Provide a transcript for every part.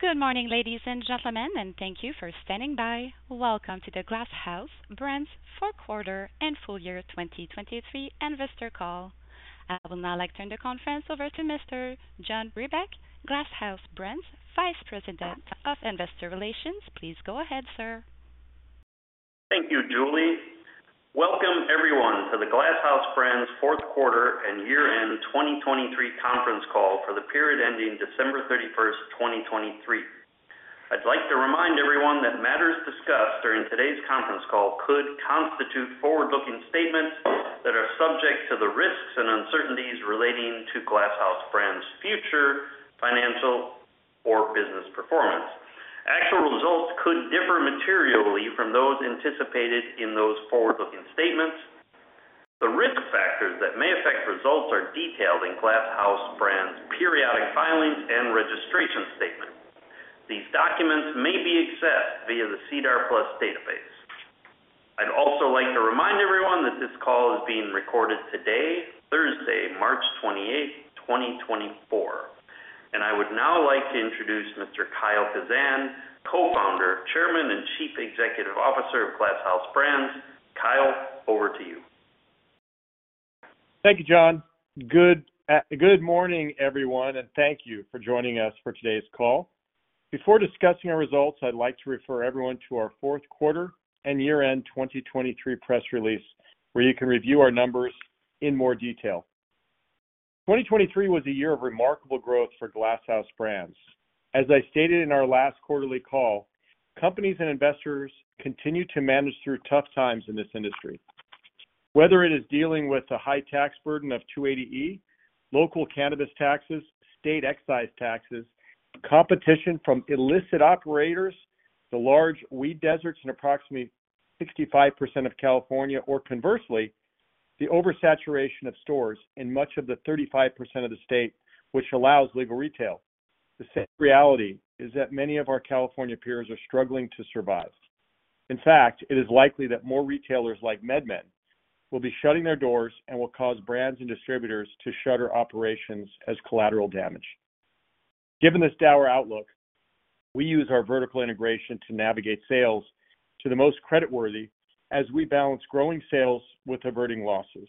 Good morning, ladies and gentlemen, and thank you for standing by. Welcome to the Glass House Brands Fourth Quarter and Full Year 2023 Investor Call. I will now turn the conference over to Mr. John Brebeck, Glass House Brands Vice President of Investor Relations. Please go ahead, sir. Thank you, Julie. Welcome, everyone, to the Glass House Brands Fourth Quarter and Year-End 2023 Conference Call for the period ending December 31st, 2023. I'd like to remind everyone that matters discussed during today's conference call could constitute forward-looking statements that are subject to the risks and uncertainties relating to Glass House Brands' future financial or business performance. Actual results could differ materially from those anticipated in those forward-looking statements. The risk factors that may affect results are detailed in Glass House Brands' periodic filings and registration statements. These documents may be accessed via the SEDAR+ database. I'd also like to remind everyone that this call is being recorded today, Thursday, March 28th, 2024. I would now like to introduce Mr. Kyle Kazan, Co-Founder, Chairman, and Chief Executive Officer of Glass House Brands. Kyle, over to you. Thank you, John. Good morning, everyone, and thank you for joining us for today's call. Before discussing our results, I'd like to refer everyone to our Fourth Quarter and Year-End 2023 Press Release, where you can review our numbers in more detail. 2023 was a year of remarkable growth for Glass House Brands. As I stated in our last quarterly call, companies and investors continue to manage through tough times in this industry. Whether it is dealing with a high tax burden of 280E, local cannabis taxes, state excise taxes, competition from illicit operators - the large weed deserts in approximately 65% of California - or conversely, the oversaturation of stores in much of the 35% of the state, which allows legal retail, the sad reality is that many of our California peers are struggling to survive. In fact, it is likely that more retailers like MedMen will be shutting their doors and will cause brands and distributors to shutter operations as collateral damage. Given this dour outlook, we use our vertical integration to navigate sales to the most creditworthy as we balance growing sales with averting losses.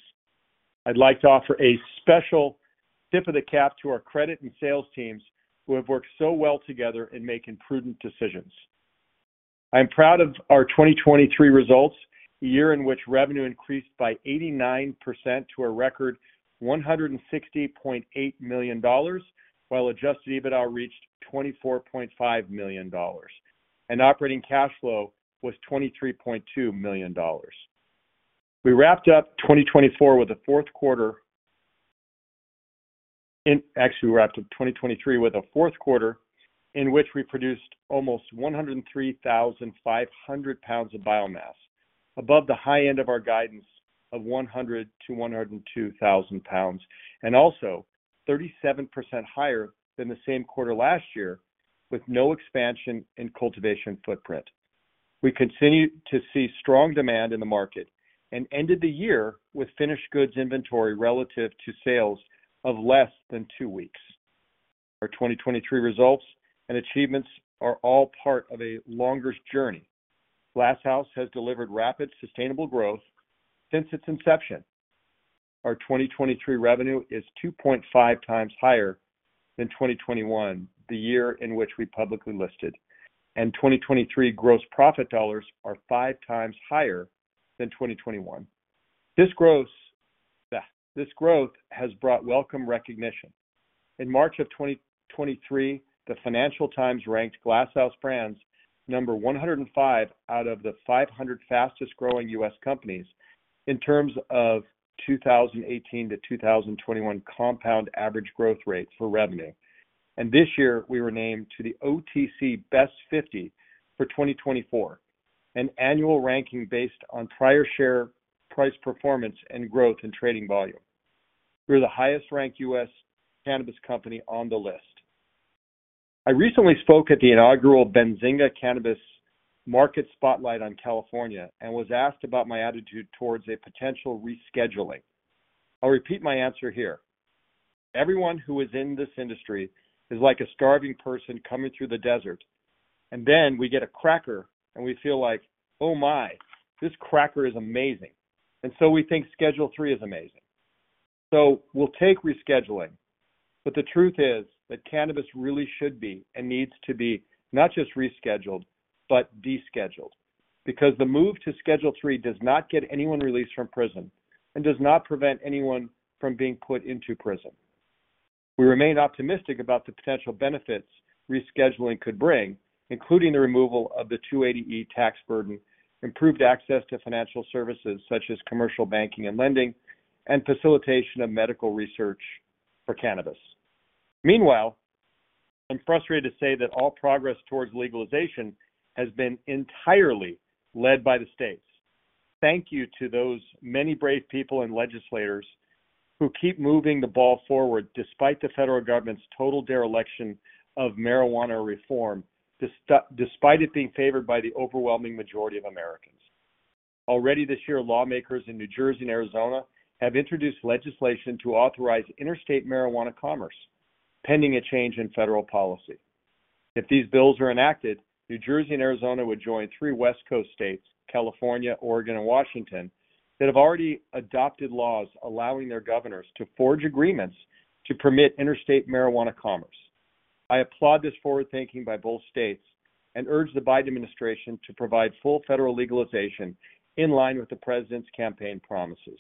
I'd like to offer a special tip of the cap to our credit and sales teams who have worked so well together in making prudent decisions. I am proud of our 2023 results, a year in which revenue increased by 89% to a record $160.8 million while adjusted EBITDA reached $24.5 million, and operating cash flow was $23.2 million. We wrapped up 2024 with a fourth quarter, actually, we wrapped up 2023 with a fourth quarter, in which we produced almost 103,500 lbs of biomass, above the high end of our guidance of 100,000-102,000 lbs, and also 37% higher than the same quarter last year with no expansion in cultivation footprint. We continue to see strong demand in the market and ended the year with finished goods inventory relative to sales of less than two weeks. Our 2023 results and achievements are all part of a longer journey. Glass House has delivered rapid, sustainable growth since its inception. Our 2023 revenue is 2.5x higher than 2021, the year in which we publicly listed, and 2023 gross profit dollars are five times higher than 2021. This growth has brought welcome recognition. In March of 2023, The Financial Times ranked Glass House Brands number 105 out of the 500 fastest-growing U.S. companies in terms of 2018 to 2021 compound average growth rate for revenue. This year, we were named to the OTC Best 50 for 2024, an annual ranking based on prior share price performance and growth in trading volume. We were the highest-ranked U.S. cannabis company on the list. I recently spoke at the inaugural Benzinga Cannabis Market Spotlight on California and was asked about my attitude towards a potential rescheduling. I'll repeat my answer here. Everyone who is in this industry is like a starving person coming through the desert, and then we get a cracker and we feel like, "Oh my, this cracker is amazing." So we think Schedule III is amazing. So we'll take rescheduling, but the truth is that cannabis really should be and needs to be not just rescheduling, but descheduled, because the move to Schedule III does not get anyone released from prison and does not prevent anyone from being put into prison. We remain optimistic about the potential benefits rescheduling could bring, including the removal of the 280E tax burden, improved access to financial services such as commercial banking and lending, and facilitation of medical research for cannabis. Meanwhile, I'm frustrated to say that all progress towards legalization has been entirely led by the states. Thank you to those many brave people and legislators who keep moving the ball forward despite the federal government's total dereliction of marijuana reform, despite it being favored by the overwhelming majority of Americans. Already this year, lawmakers in New Jersey and Arizona have introduced legislation to authorize interstate marijuana commerce, pending a change in federal policy. If these bills are enacted, New Jersey and Arizona would join three West Coast states, California, Oregon, and Washington, that have already adopted laws allowing their governors to forge agreements to permit interstate marijuana commerce. I applaud this forward-thinking by both states and urge the Biden administration to provide full federal legalization in line with the president's campaign promises.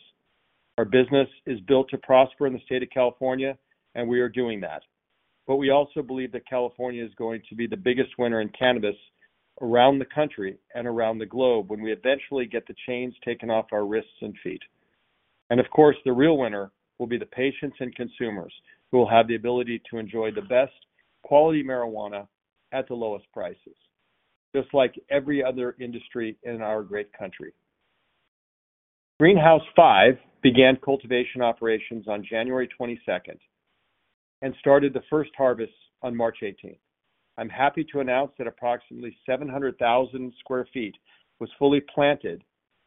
Our business is built to prosper in the state of California, and we are doing that. But we also believe that California is going to be the biggest winner in cannabis around the country and around the globe when we eventually get the chains taken off our wrists and feet. And of course, the real winner will be the patients and consumers who will have the ability to enjoy the best quality marijuana at the lowest prices, just like every other industry in our great country. Greenhouse 5 began cultivation operations on January 22nd and started the first harvest on March 18th. I'm happy to announce that approximately 700,000 sq ft was fully planted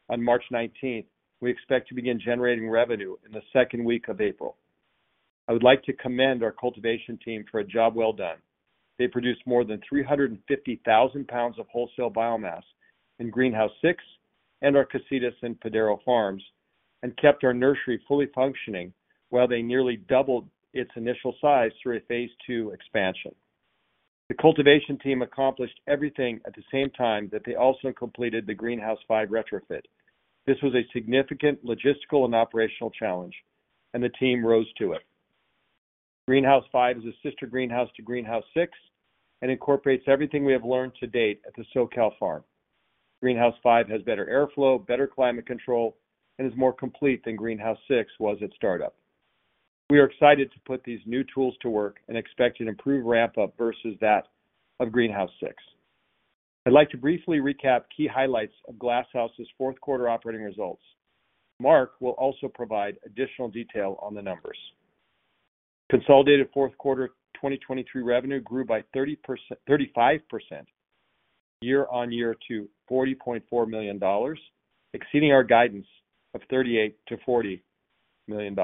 on March 19th, and we expect to begin generating revenue in the second week of April. I would like to commend our cultivation team for a job well done. They produced more than 350,000 lbs of wholesale biomass in Greenhouse 6 and our Casitas and Padaro farms and kept our nursery fully functioning while they nearly doubled its initial size through a phase two expansion. The cultivation team accomplished everything at the same time that they also completed the Greenhouse 5 retrofit. This was a significant logistical and operational challenge, and the team rose to it. Greenhouse 5 is a sister greenhouse to Greenhouse 6 and incorporates everything we have learned to date at the SoCal farm. Greenhouse 5 has better airflow, better climate control, and is more complete than Greenhouse 6 was at startup. We are excited to put these new tools to work and expect an improved ramp-up versus that of Greenhouse 6. I'd like to briefly recap key highlights of Glass House's Fourth Quarter operating results. Mark will also provide additional detail on the numbers. Consolidated Fourth Quarter 2023 revenue grew by 35% year-over-year to $40.4 million, exceeding our guidance of $38 million-$40 million.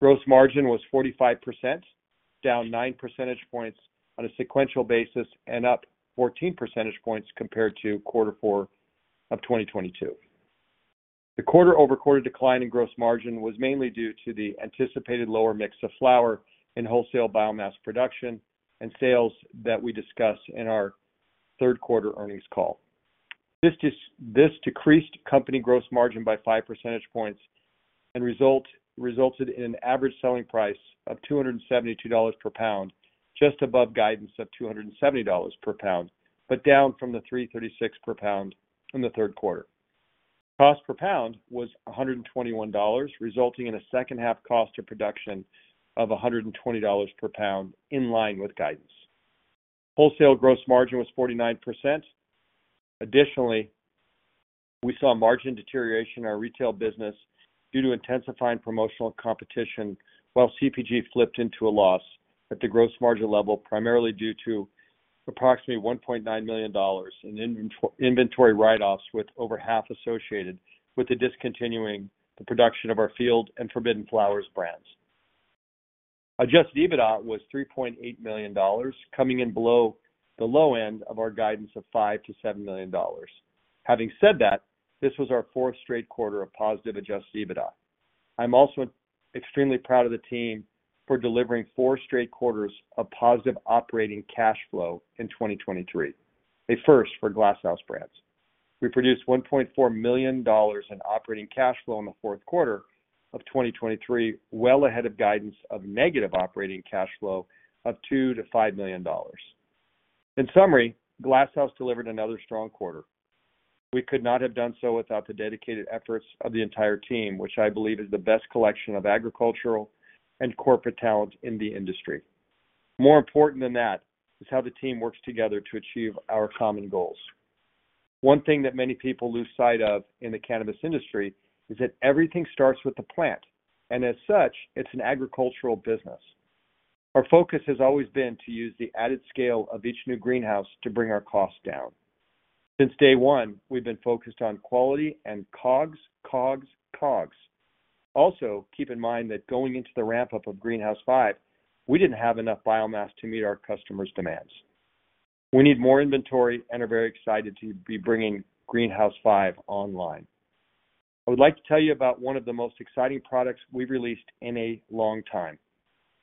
Gross margin was 45%, down 9 percentage points on a sequential basis, and up 14 percentage points compared to Quarter 4 of 2022. The quarter-over-quarter decline in gross margin was mainly due to the anticipated lower mix of flower in wholesale biomass production and sales that we discussed in our Third Quarter earnings call. This decreased company gross margin by 5 percentage points and resulted in an average selling price of $272 per pound, just above guidance of $270 per pound, but down from the $336 per pound in the Third Quarter. Cost per pound was $121, resulting in a second-half cost of production of $120 per pound in line with guidance. Wholesale gross margin was 49%. Additionally, we saw margin deterioration in our retail business due to intensifying promotional competition while CPG flipped into a loss at the gross margin level, primarily due to approximately $1.9 million in inventory write-offs with over half associated with the discontinuing production of our Field and Forbidden Flowers brands. Adjusted EBITDA was $3.8 million, coming in below the low end of our guidance of $5-$7 million. Having said that, this was our fourth straight quarter of positive adjusted EBITDA. I'm also extremely proud of the team for delivering four straight quarters of positive operating cash flow in 2023, a first for Glass House Brands. We produced $1.4 million in operating cash flow in the Fourth Quarter of 2023, well ahead of guidance of negative operating cash flow of $2-$5 million. In summary, Glass House delivered another strong quarter. We could not have done so without the dedicated efforts of the entire team, which I believe is the best collection of agricultural and corporate talent in the industry. More important than that is how the team works together to achieve our common goals. One thing that many people lose sight of in the cannabis industry is that everything starts with the plant, and as such, it's an agricultural business. Our focus has always been to use the added scale of each new greenhouse to bring our costs down. Since day one, we've been focused on quality and COGS, COGS, COGS. Also, keep in mind that going into the ramp-up of Greenhouse 5, we didn't have enough biomass to meet our customers' demands. We need more inventory, and we're very excited to be bringing Greenhouse 5 online. I would like to tell you about one of the most exciting products we've released in a long time,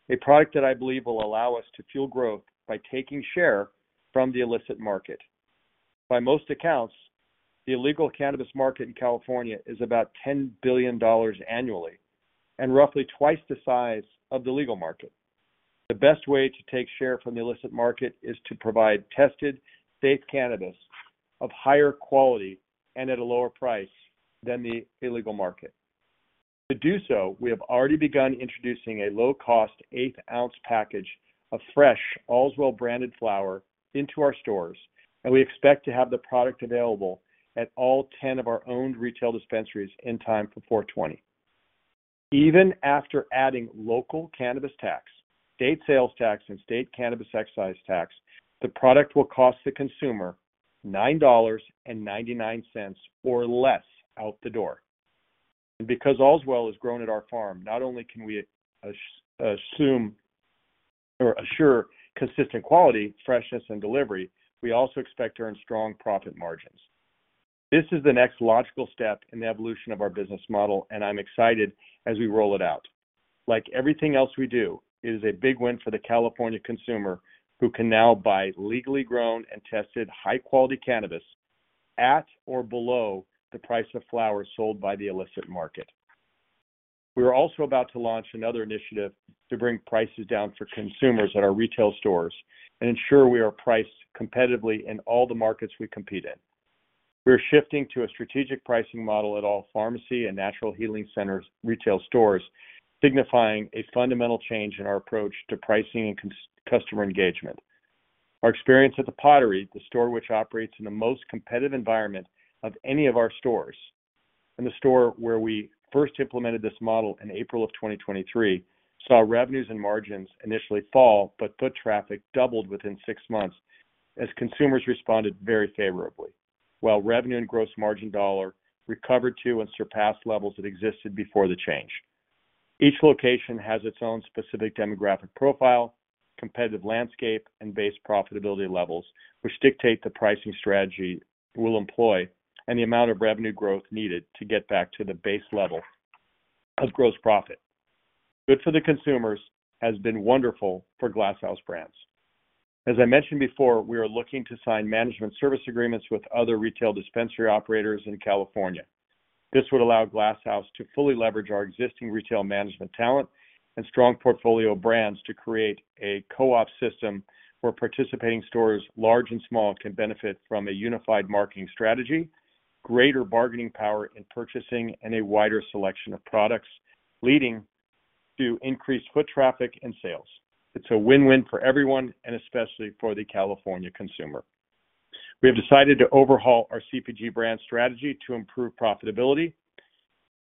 a product that I believe will allow us to fuel growth by taking share from the illicit market. By most accounts, the illegal cannabis market in California is about $10 billion annually and roughly twice the size of the legal market. The best way to take share from the illicit market is to provide tested, safe cannabis of higher quality and at a lower price than the illegal market. To do so, we have already begun introducing a low-cost eighth-ounce package of fresh, Allswell-branded flower into our stores, and we expect to have the product available at all 10 of our owned retail dispensaries in time for 4/20. Even after adding local cannabis tax, state sales tax, and state cannabis excise tax, the product will cost the consumer $9.99 or less out the door. Because Allswell has grown at our farm, not only can we assume or assure consistent quality, freshness, and delivery, we also expect to earn strong profit margins. This is the next logical step in the evolution of our business model, and I'm excited as we roll it out. Like everything else we do, it is a big win for the California consumer who can now buy legally grown and tested high-quality cannabis at or below the price of flowers sold by the illicit market. We are also about to launch another initiative to bring prices down for consumers at our retail stores and ensure we are priced competitively in all the markets we compete in. We are shifting to a strategic pricing model at all Farmacy and Natural Healing Centers' retail stores, signifying a fundamental change in our approach to pricing and customer engagement. Our experience at The Pottery, the store which operates in the most competitive environment of any of our stores, and the store where we first implemented this model in April of 2023, saw revenues and margins initially fall but foot traffic doubled within six months as consumers responded very favorably, while revenue and gross margin dollar recovered to and surpassed levels that existed before the change. Each location has its own specific demographic profile, competitive landscape, and base profitability levels, which dictate the pricing strategy we'll employ and the amount of revenue growth needed to get back to the base level of gross profit. Good for the consumers has been wonderful for Glass House Brands. As I mentioned before, we are looking to sign management service agreements with other retail dispensary operators in California. This would allow Glass House to fully leverage our existing retail management talent and strong portfolio brands to create a co-op system where participating stores, large and small, can benefit from a unified marketing strategy, greater bargaining power in purchasing, and a wider selection of products, leading to increased foot traffic and sales. It's a win-win for everyone, and especially for the California consumer. We have decided to overhaul our CPG brand strategy to improve profitability.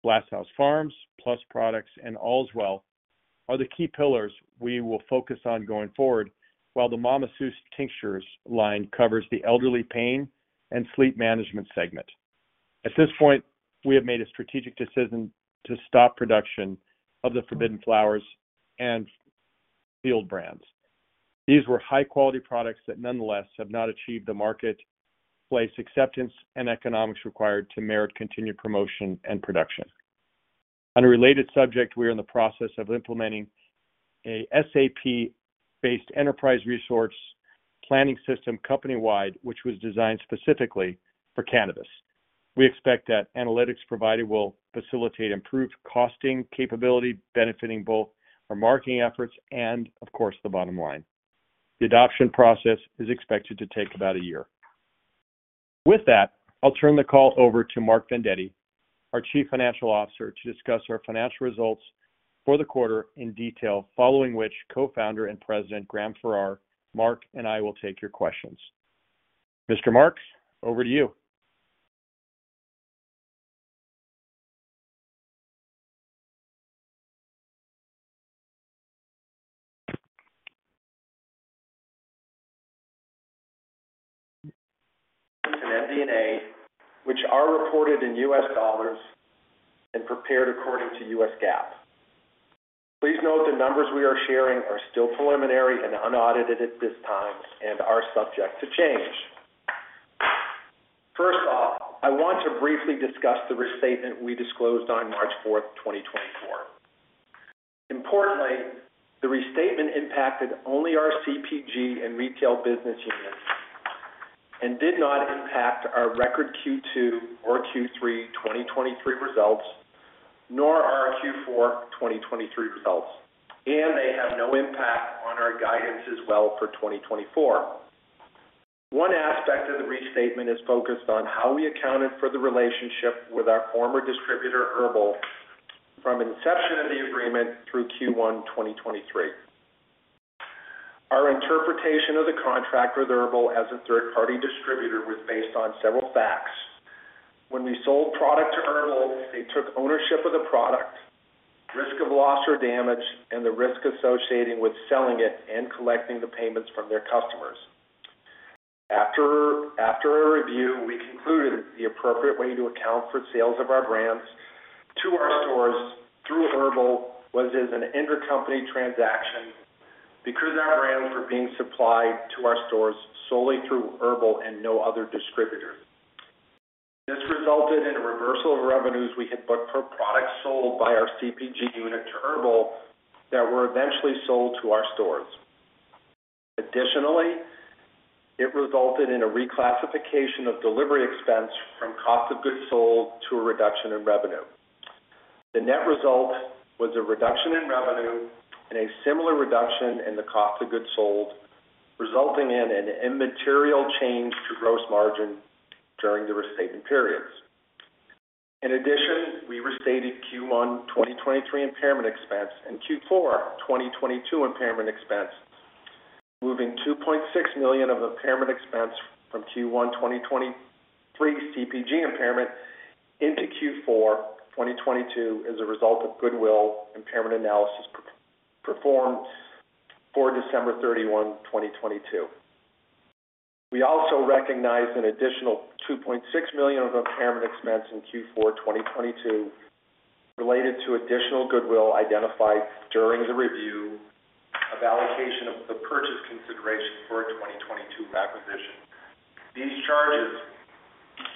Glass House Farms, Plus Products, and Allswell are the key pillars we will focus on going forward, while the Mama Sue's tinctures line covers the elderly pain and sleep management segment. At this point, we have made a strategic decision to stop production of the Forbidden Flowers and Field brands. These were high-quality products that nonetheless have not achieved the marketplace acceptance and economics required to merit continued promotion and production. On a related subject, we are in the process of implementing an SAP-based enterprise resource planning system company-wide, which was designed specifically for cannabis. We expect that analytics provided will facilitate improved costing capability, benefiting both our marketing efforts and, of course, the bottom line. The adoption process is expected to take about a year. With that, I'll turn the call over to Mark Vendetti, our Chief Financial Officer, to discuss our financial results for the quarter in detail, following which Co-Founder and President Graham Farrar, Mark, and I will take your questions. Mr. Mark, over to you. MD&A, which are reported in U.S. dollars and prepared according to U.S. GAAP. Please note the numbers we are sharing are still preliminary and unaudited at this time and are subject to change. First off, I want to briefly discuss the restatement we disclosed on March 4th, 2024. Importantly, the restatement impacted only our CPG and retail business units and did not impact our record Q2 or Q3 2023 results, nor our Q4 2023 results, and they have no impact on our guidance as well for 2024. One aspect of the restatement is focused on how we accounted for the relationship with our former distributor, HERBL, from inception of the agreement through Q1 2023. Our interpretation of the contract with HERBL as a third-party distributor was based on several facts. When we sold product to HERBL, they took ownership of the product, risk of loss or damage, and the risk associated with selling it and collecting the payments from their customers. After a review, we concluded that the appropriate way to account for sales of our brands to our stores through HERBL was as an intercompany transaction because our brands were being supplied to our stores solely through HERBL and no other distributor. This resulted in a reversal of revenues we had booked for products sold by our CPG unit to HERBL that were eventually sold to our stores. Additionally, it resulted in a reclassification of delivery expense from cost of goods sold to a reduction in revenue. The net result was a reduction in revenue and a similar reduction in the cost of goods sold, resulting in an immaterial change to gross margin during the restatement periods. In addition, we restated Q1 2023 impairment expense and Q4 2022 impairment expense, moving $2.6 million of impairment expense from Q1 2023 CPG impairment into Q4 2022 as a result of goodwill impairment analysis performed for December 31, 2022. We also recognized an additional $2.6 million of impairment expense in Q4 2022 related to additional goodwill identified during the review of allocation of the purchase consideration for a 2022 acquisition. These charges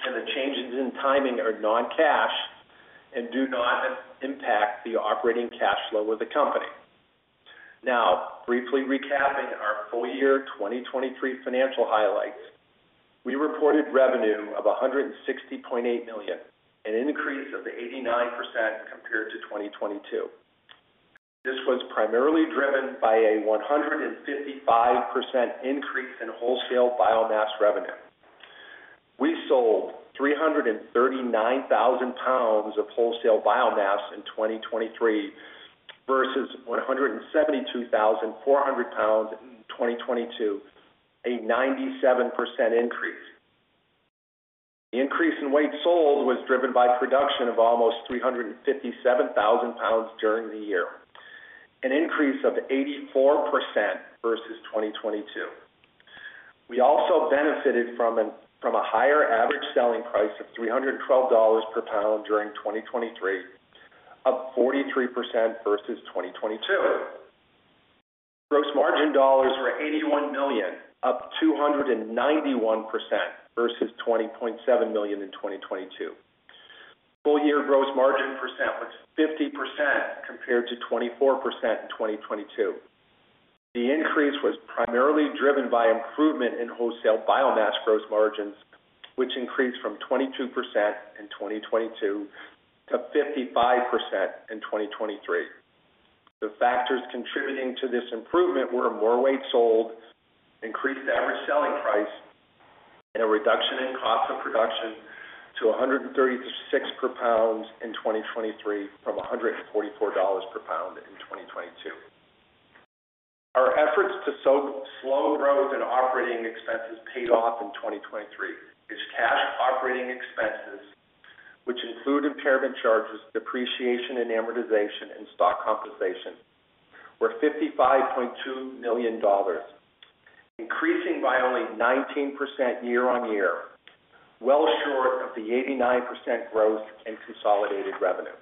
and the changes in timing are non-cash and do not impact the operating cash flow of the company. Now, briefly recapping our full-year 2023 financial highlights, we reported revenue of $160.8 million, an increase of 89% compared to 2022. This was primarily driven by a 155% increase in wholesale biomass revenue. We sold 339,000 lbs of wholesale biomass in 2023 versus 172,400 lbs in 2022, a 97% increase. The increase in weight sold was driven by production of almost 357,000 during the year, an increase of 84% versus 2022. We also benefited from a higher average selling price of $312 per pound during 2023, up 43% versus 2022. Gross margin dollars were $81 million, up 291% versus $20.7 million in 2022. Full-year gross margin percent was 50% compared to 24% in 2022. The increase was primarily driven by improvement in wholesale biomass gross margins, which increased from 22% in 2022 to 55% in 2023. The factors contributing to this improvement were more weight sold, increased average selling price, and a reduction in cost of production to $136 per pound in 2023 from $144 per pound in 2022. Our efforts to slow growth and operating expenses paid off in 2023, as cash operating expenses, which include impairment charges, depreciation, amortization, and stock compensation, were $55.2 million, increasing by only 19% year-over-year, well short of the 89% growth in consolidated revenue.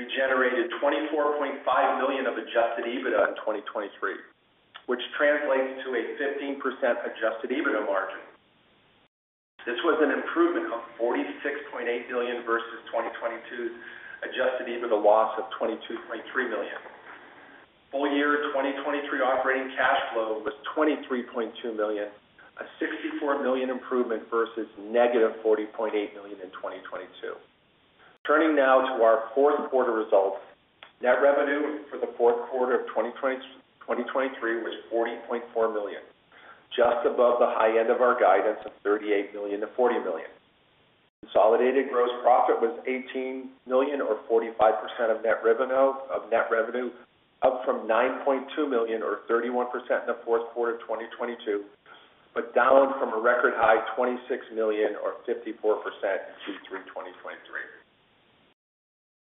We generated $24.5 million of adjusted EBITDA in 2023, which translates to a 15% adjusted EBITDA margin. This was an improvement of $46.8 million versus 2022's adjusted EBITDA loss of $22.3 million. Full-year 2023 operating cash flow was $23.2 million, a $64 million improvement versus negative $40.8 million in 2022. Turning now to our fourth-quarter results, net revenue for the fourth quarter of 2023 was $40.4 million, just above the high end of our guidance of $38 million-$40 million. Consolidated gross profit was $18 million or 45% of net revenue, up from $9.2 million or 31% in the fourth quarter of 2022, but down from a record high of $26 million or 54% in Q3 2023.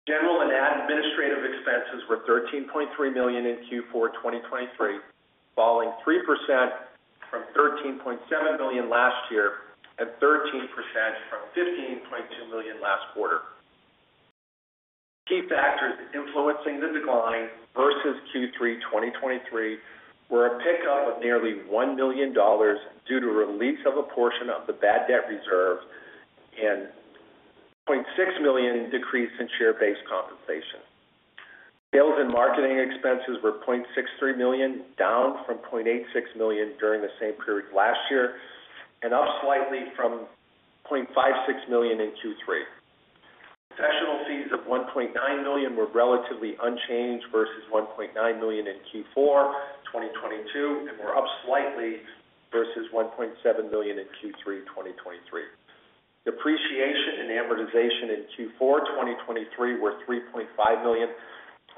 General and administrative expenses were $13.3 million in Q4 2023, falling 3% from $13.7 million last year and 13% from $15.2 million last quarter. Key factors influencing the decline versus Q3 2023 were a pickup of nearly $1 million due to release of a portion of the bad debt reserve and a $0.6 million decrease in share-based compensation. Sales and marketing expenses were $0.63 million, down from $0.86 million during the same period last year and up slightly from $0.56 million in Q3. Professional fees of $1.9 million were relatively unchanged versus $1.9 million in Q4 2022 and were up slightly versus $1.7 million in Q3 2023. Depreciation and amortization in Q4 2023 were $3.5 million,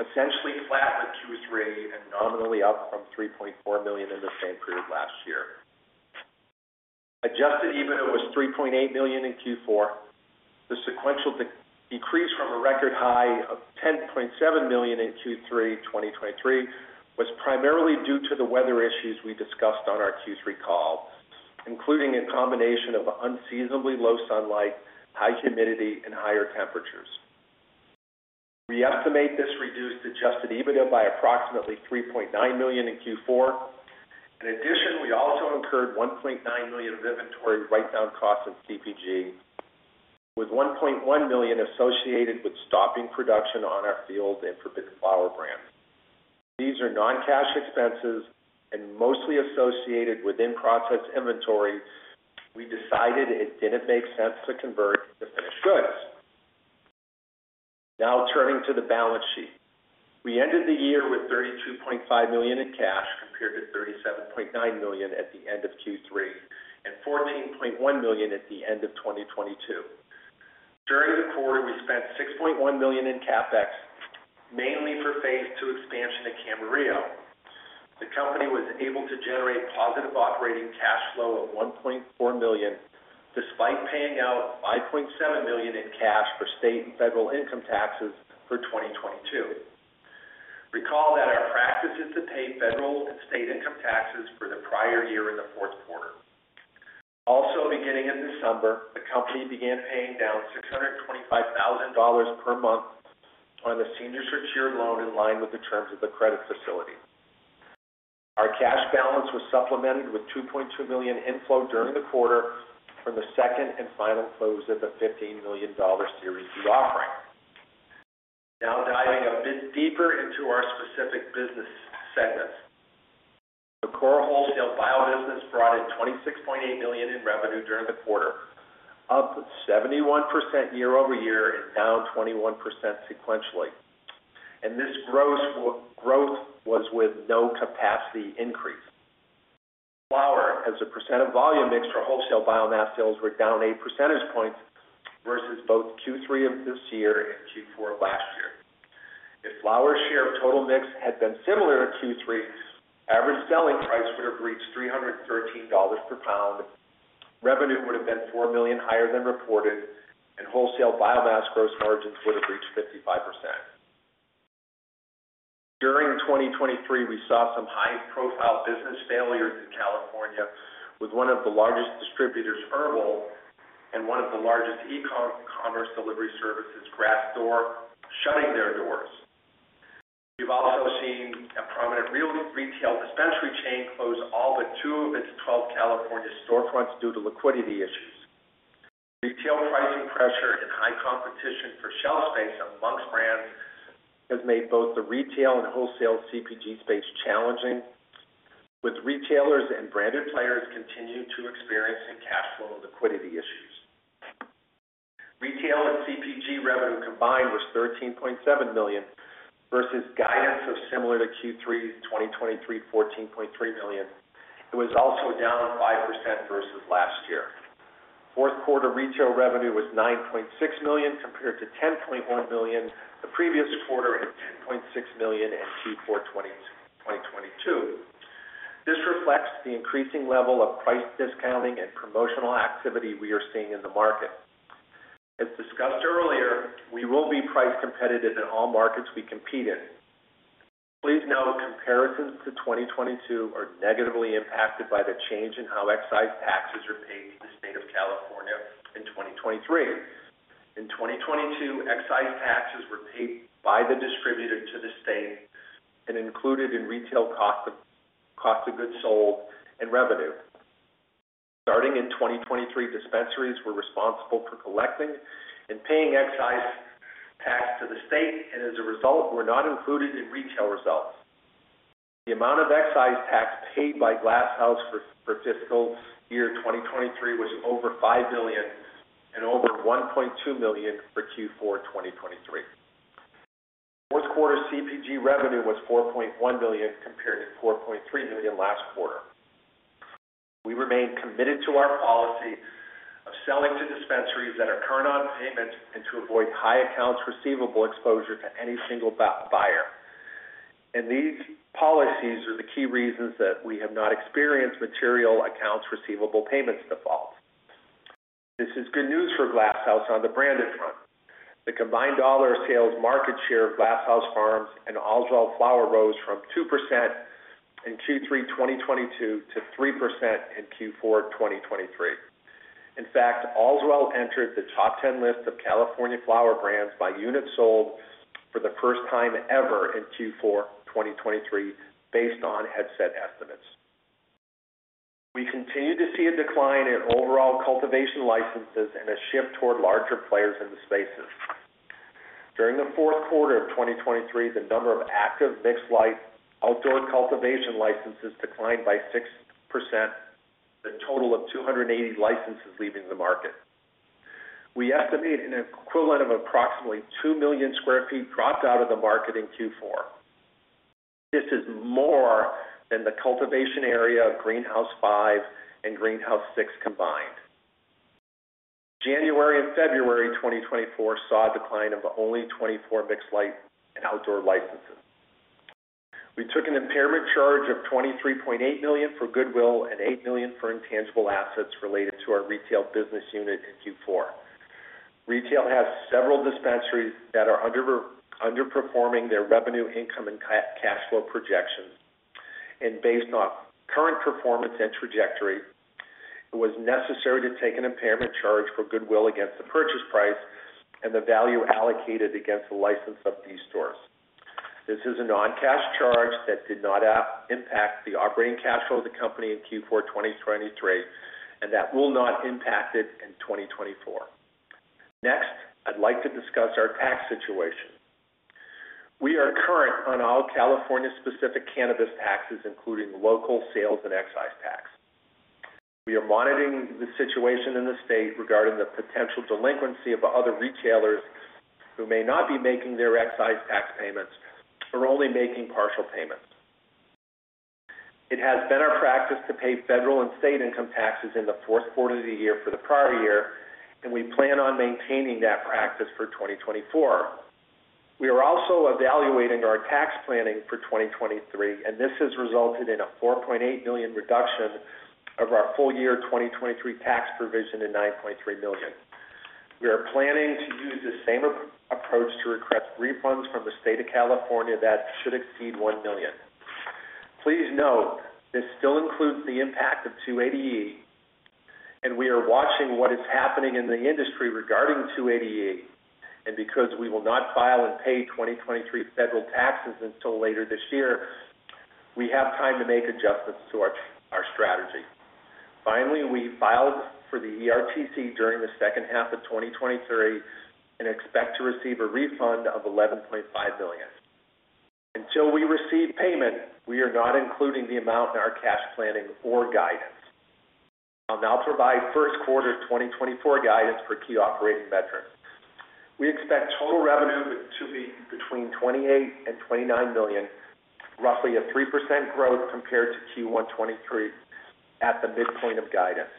essentially flat with Q3 and nominally up from $3.4 million in the same period last year. Adjusted EBITDA was $3.8 million in Q4. The sequential decrease from a record high of $10.7 million in Q3 2023 was primarily due to the weather issues we discussed on our Q3 call, including a combination of unseasonably low sunlight, high humidity, and higher temperatures. We estimate this reduced adjusted EBITDA by approximately $3.9 million in Q4. In addition, we also incurred $1.9 million of inventory write-down costs in CPG, with $1.1 million associated with stopping production on our Field and Forbidden Flowers brands. These are non-cash expenses and mostly associated with in-process inventory. We decided it didn't make sense to convert to finished goods. Now, turning to the balance sheet, we ended the year with $32.5 million in cash compared to $37.9 million at the end of Q3 and $14.1 million at the end of 2022. During the quarter, we spent $6.1 million in CapEx, mainly for phase two expansion at Camarillo. The company was able to generate positive operating cash flow of $1.4 million despite paying out $5.7 million in cash for state and federal income taxes for 2022. Recall that our practice is to pay federal and state income taxes for the prior year in the fourth quarter. Also, beginning in December, the company began paying down $625,000 per month on the senior secured loan in line with the terms of the credit facility. Our cash balance was supplemented with $2.2 million inflow during the quarter from the second and final close of the $15 million Series D offering. Now, diving a bit deeper into our specific business segments, our core wholesale biomass business brought in $26.8 million in revenue during the quarter, up 71% year over year and down 21% sequentially. This growth was with no capacity increase. Flower, as a percent of volume mix for wholesale biomass sales, were down 8 percentage points versus both Q3 of this year and Q4 of last year. If flower's share of total mix had been similar to Q3, average selling price would have reached $313 per pound, revenue would have been $4 million higher than reported, and wholesale biomass gross margins would have reached 55%. During 2023, we saw some high-profile business failures in California, with one of the largest distributors, HERBL, and one of the largest e-commerce delivery services, Grassdoor, shutting their doors. We've also seen a prominent retail dispensary chain close all but two of its 12 California storefronts due to liquidity issues. Retail pricing pressure and high competition for shelf space among brands has made both the retail and wholesale CPG space challenging, with retailers and branded players continuing to experience in cash flow and liquidity issues. Retail and CPG revenue combined was $13.7 million versus guidance of similar to Q3 2023, $14.3 million. It was also down 5% versus last year. Fourth-quarter retail revenue was $9.6 million compared to $10.1 million the previous quarter and $10.6 million in Q4 2022. This reflects the increasing level of price discounting and promotional activity we are seeing in the market. As discussed earlier, we will be price competitive in all markets we compete in. Please note, comparisons to 2022 are negatively impacted by the change in how excise taxes are paid to the state of California in 2023. In 2022, excise taxes were paid by the distributor to the state and included in retail cost of goods sold and revenue. Starting in 2023, dispensaries were responsible for collecting and paying excise tax to the state, and as a result, were not included in retail results. The amount of excise tax paid by Glass House for fiscal year 2023 was over $5 million and over $1.2 million for Q4 2023. Fourth-quarter CPG revenue was $4.1 million compared to $4.3 million last quarter. We remain committed to our policy of selling to dispensaries that are current on payments and to avoid high accounts receivable exposure to any single buyer. These policies are the key reasons that we have not experienced material accounts receivable payments defaults. This is good news for Glass House on the branded front. The combined dollar sales market share of Glass House Farms and Allswell flower rose from 2% in Q3 2022 to 3% in Q4 2023. In fact, Allswell entered the top 10 list of California flower brands by unit sold for the first time ever in Q4 2023 based on Headset estimates. We continue to see a decline in overall cultivation licenses and a shift toward larger players in the spaces. During the fourth quarter of 2023, the number of active mixed light outdoor cultivation licenses declined by 6%, the total of 280 licenses leaving the market. We estimate an equivalent of approximately 2 million sq ft dropped out of the market in Q4. This is more than the cultivation area of Greenhouse 5 and Greenhouse 6 combined. January and February 2024 saw a decline of only 24 mixed light and outdoor licenses. We took an impairment charge of $23.8 million for goodwill and $8 million for intangible assets related to our retail business unit in Q4. Retail has several dispensaries that are underperforming their revenue, income, and cash flow projections. Based on current performance and trajectory, it was necessary to take an impairment charge for goodwill against the purchase price and the value allocated against the license of these stores. This is a non-cash charge that did not impact the operating cash flow of the company in Q4 2023 and that will not impact it in 2024. Next, I'd like to discuss our tax situation. We are current on all California-specific cannabis taxes, including local sales and excise tax. We are monitoring the situation in the state regarding the potential delinquency of other retailers who may not be making their excise tax payments or only making partial payments. It has been our practice to pay federal and state income taxes in the fourth quarter of the year for the prior year, and we plan on maintaining that practice for 2024. We are also evaluating our tax planning for 2023, and this has resulted in a $4.8 million reduction of our full-year 2023 tax provision to $9.3 million. We are planning to use the same approach to request refunds from the state of California that should exceed $1 million. Please note, this still includes the impact of 280E, and we are watching what is happening in the industry regarding 280E. Because we will not file and pay 2023 federal taxes until later this year, we have time to make adjustments to our strategy. Finally, we filed for the ERC during the second half of 2023 and expect to receive a refund of $11.5 million. Until we receive payment, we are not including the amount in our cash planning or guidance. I'll now provide first-quarter 2024 guidance for key operating metrics. We expect total revenue to be between $28 million-$29 million, roughly a 3% growth compared to Q1 2023 at the midpoint of guidance.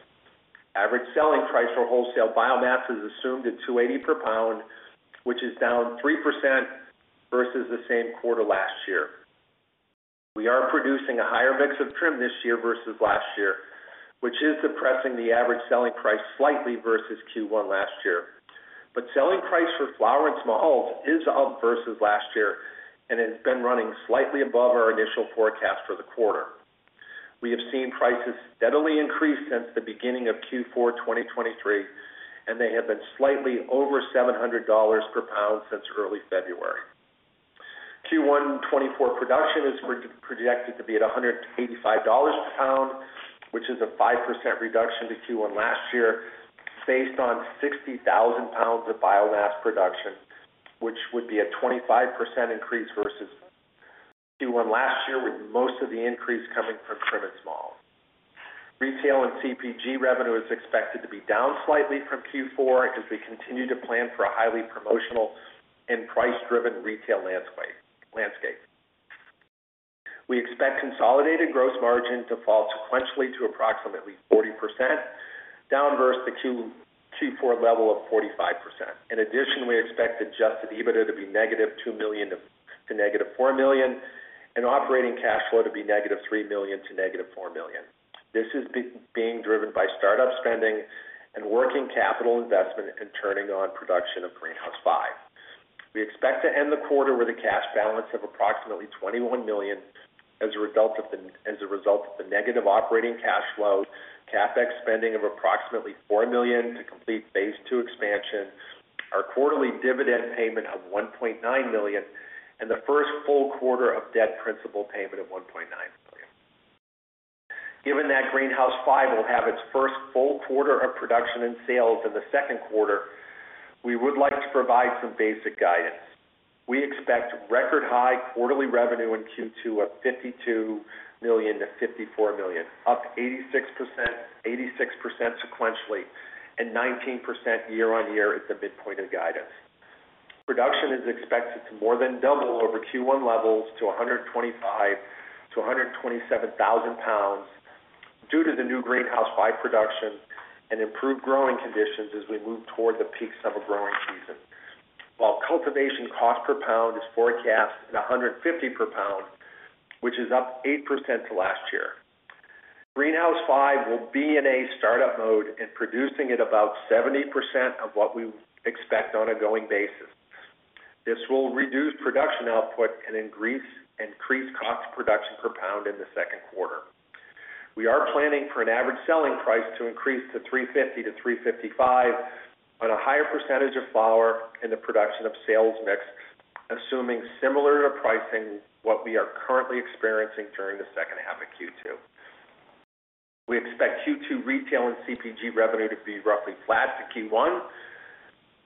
Average selling price for wholesale biomass is assumed at $280 per pound, which is down 3% versus the same quarter last year. We are producing a higher mix of trim this year versus last year, which is depressing the average selling price slightly versus Q1 last year. But selling price for flower and small hulls is up versus last year, and it has been running slightly above our initial forecast for the quarter. We have seen prices steadily increase since the beginning of Q4 2023, and they have been slightly over $700 per pound since early February. Q1 2024 production is projected to be at $185 per pound, which is a 5% reduction to Q1 last year based on 60,000 lbs of biomass production, which would be a 25% increase versus Q1 last year, with most of the increase coming from trim and small hulls. Retail and CPG revenue is expected to be down slightly from Q4 as we continue to plan for a highly promotional and price-driven retail landscape. We expect consolidated gross margin to fall sequentially to approximately 40%, down versus the Q4 level of 45%. In addition, we expect Adjusted EBITDA to be -$2 million to -$4 million and operating cash flow to be -$3 million to -$4 million. This is being driven by startup spending and working capital investment and turning on production of Greenhouse 5. We expect to end the quarter with a cash balance of approximately $21 million as a result of the negative operating cash flow, CapEx spending of approximately $4 million to complete phase two expansion, our quarterly dividend payment of $1.9 million, and the first full quarter of debt principal payment of $1.9 million. Given that Greenhouse 5 will have its first full quarter of production and sales in the second quarter, we would like to provide some basic guidance. We expect record high quarterly revenue in Q2 of $52 million-$54 million, up 86% sequentially and 19% year-over-year at the midpoint of guidance. Production is expected to more than double over Q1 levels to 125,000-127,000 lbs due to the new Greenhouse 5 production and improved growing conditions as we move toward the peaks of a growing season. While cultivation cost per pound is forecast at $150 per pound, which is up 8% to last year, Greenhouse 5 will be in a start-up mode and producing at about 70% of what we expect on a going basis. This will reduce production output and increase cost of production per pound in the second quarter. We are planning for an average selling price to increase to $350-$355 on a higher percentage of flower and the production of sales mix, assuming similar to pricing what we are currently experiencing during the second half of Q2. We expect Q2 retail and CPG revenue to be roughly flat to Q1.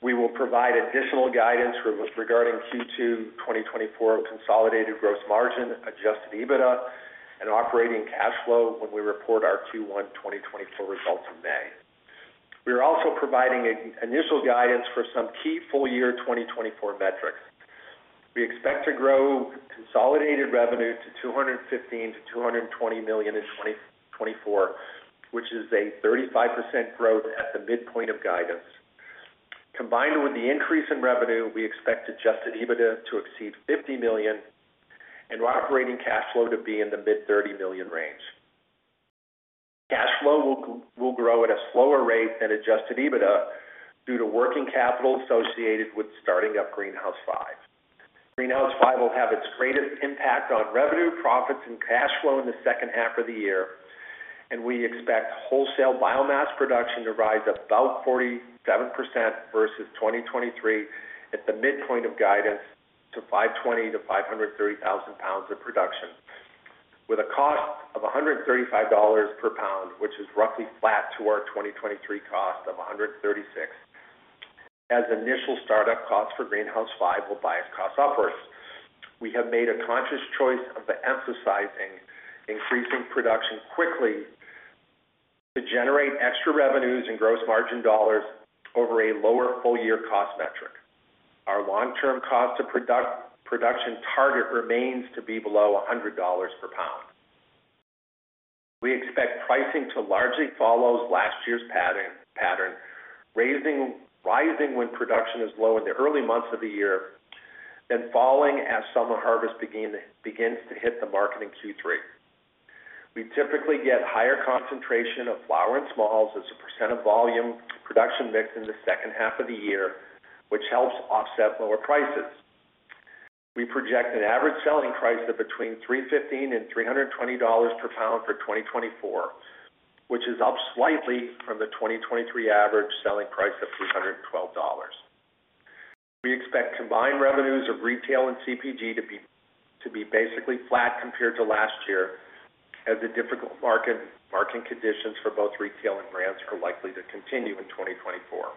We will provide additional guidance regarding Q2 2024 consolidated gross margin, Adjusted EBITDA, and operating cash flow when we report our Q1 2024 results in May. We are also providing initial guidance for some key full-year 2024 metrics. We expect to grow consolidated revenue to $215 million-$220 million in 2024, which is a 35% growth at the midpoint of guidance. Combined with the increase in revenue, we expect Adjusted EBITDA to exceed $50 million and operating cash flow to be in the mid-$30 million range. Cash flow will grow at a slower rate than Adjusted EBITDA due to working capital associated with starting up Greenhouse 5. Greenhouse 5 will have its greatest impact on revenue, profits, and cash flow in the second half of the year, and we expect wholesale biomass production to rise about 47% versus 2023 at the midpoint of guidance to 520,000-530,000 lbs of production, with a cost of $135 per pound, which is roughly flat to our 2023 cost of $136, as initial startup costs for Greenhouse 5 will bias cost upwards. We have made a conscious choice of emphasizing increasing production quickly to generate extra revenues in gross margin dollars over a lower full-year cost metric. Our long-term cost of production target remains to be below $100 per pound. We expect pricing to largely follow last year's pattern, rising when production is low in the early months of the year and falling as summer harvest begins to hit the market in Q3. We typically get higher concentration of flower and small hulls as a percent of volume production mix in the second half of the year, which helps offset lower prices. We project an average selling price of between $315-$320 per pound for 2024, which is up slightly from the 2023 average selling price of $312. We expect combined revenues of retail and CPG to be basically flat compared to last year as the difficult market conditions for both retail and brands are likely to continue in 2024.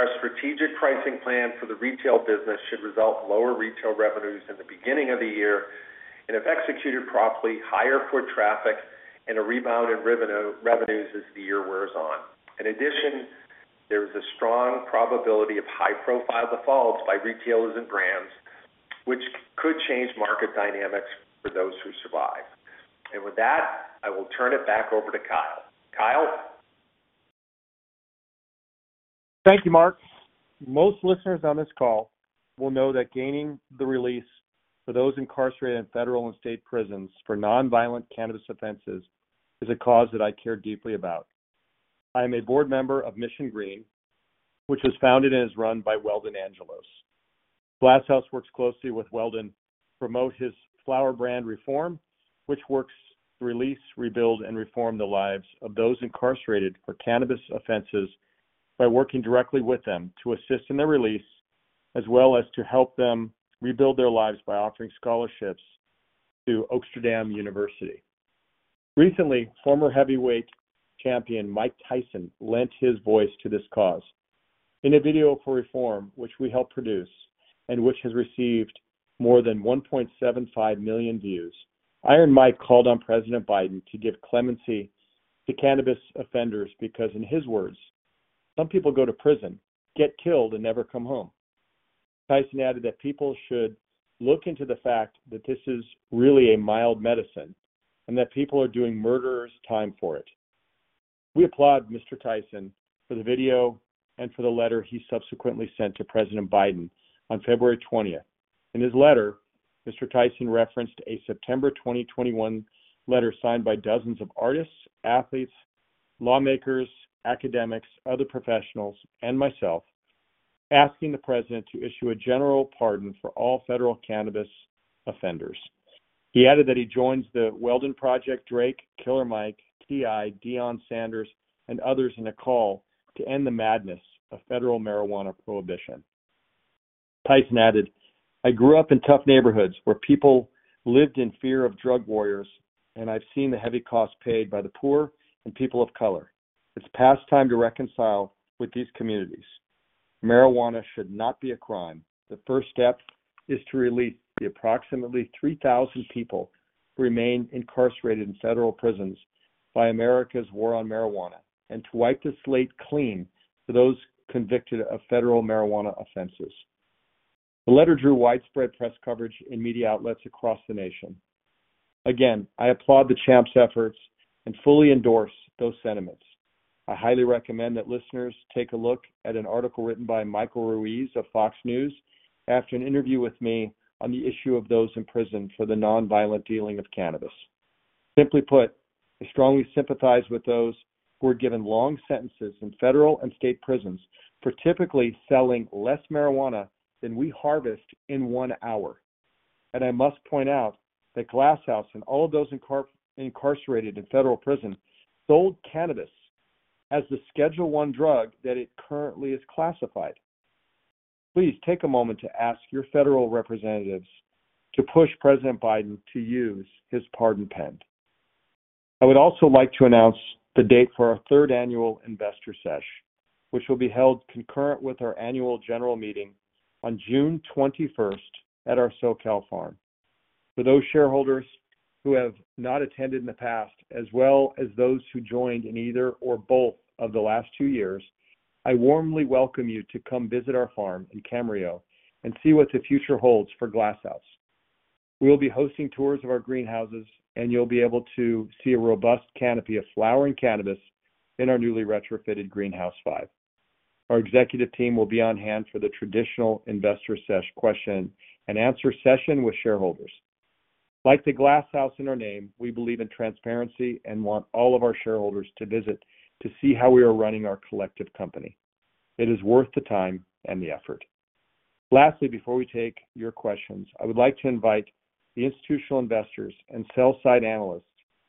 Our strategic pricing plan for the retail business should result in lower retail revenues in the beginning of the year and, if executed properly, higher foot traffic and a rebound in revenues as the year wears on. In addition, there is a strong probability of high-profile defaults by retailers and brands, which could change market dynamics for those who survive. And with that, I will turn it back over to Kyle. Kyle? Thank you, Mark. Most listeners on this call will know that gaining the release for those incarcerated in federal and state prisons for nonviolent cannabis offenses is a cause that I care deeply about. I am a board member of Mission Green, which was founded and is run by Weldon Angelos. Glass House works closely with Weldon to promote his cannabis reform, which works to release, rebuild, and reform the lives of those incarcerated for cannabis offenses by working directly with them to assist in their release as well as to help them rebuild their lives by offering scholarships to Oaksterdam University. Recently, former heavyweight champion Mike Tyson lent his voice to this cause. In a video for reform, which we helped produce and which has received more than 1.75 million views, Iron Mike called on President Biden to give clemency to cannabis offenders because, in his words, "Some people go to prison, get killed, and never come home." Tyson added that people should look into the fact that this is really a mild medicine and that people are doing murder time for it. We applaud Mr. Tyson for the video and for the letter he subsequently sent to President Biden on February 20th. In his letter, Mr. Tyson referenced a September 2021 letter signed by dozens of artists, athletes, lawmakers, academics, other professionals, and myself, asking the president to issue a general pardon for all federal cannabis offenders. He added that he joins the Weldon Project, Drake, Killer Mike, T.I., Deion Sanders, and others in a call to end the madness of federal marijuana prohibition. Tyson added, "I grew up in tough neighborhoods where people lived in fear of drug warriors, and I've seen the heavy cost paid by the poor and people of color. It's past time to reconcile with these communities. Marijuana should not be a crime. The first step is to release the approximately 3,000 people who remain incarcerated in federal prisons by America's war on marijuana and to wipe the slate clean for those convicted of federal marijuana offenses." The letter drew widespread press coverage in media outlets across the nation. Again, I applaud the champ's efforts and fully endorse those sentiments. I highly recommend that listeners take a look at an article written by Michael Ruiz of Fox News after an interview with me on the issue of those in prison for the nonviolent dealing of cannabis. Simply put, I strongly sympathize with those who are given long sentences in federal and state prisons for typically selling less marijuana than we harvest in one hour. I must point out that Glass House and all of those incarcerated in federal prison sold cannabis as the Schedule I drug that it currently is classified. Please take a moment to ask your federal representatives to push President Biden to use his pardon pen. I would also like to announce the date for our third annual investor session, which will be held concurrent with our annual general meeting on June 21st at our SoCal farm. For those shareholders who have not attended in the past, as well as those who joined in either or both of the last two years, I warmly welcome you to come visit our farm in Camarillo and see what the future holds for Glass House. We will be hosting tours of our greenhouses, and you'll be able to see a robust canopy of flowering cannabis in our newly retrofitted Greenhouse 5. Our executive team will be on hand for the traditional investor session and answer session with shareholders. Like the Glass House in our name, we believe in transparency and want all of our shareholders to visit to see how we are running our collective company. It is worth the time and the effort. Lastly, before we take your questions, I would like to invite the institutional investors and sell-side analysts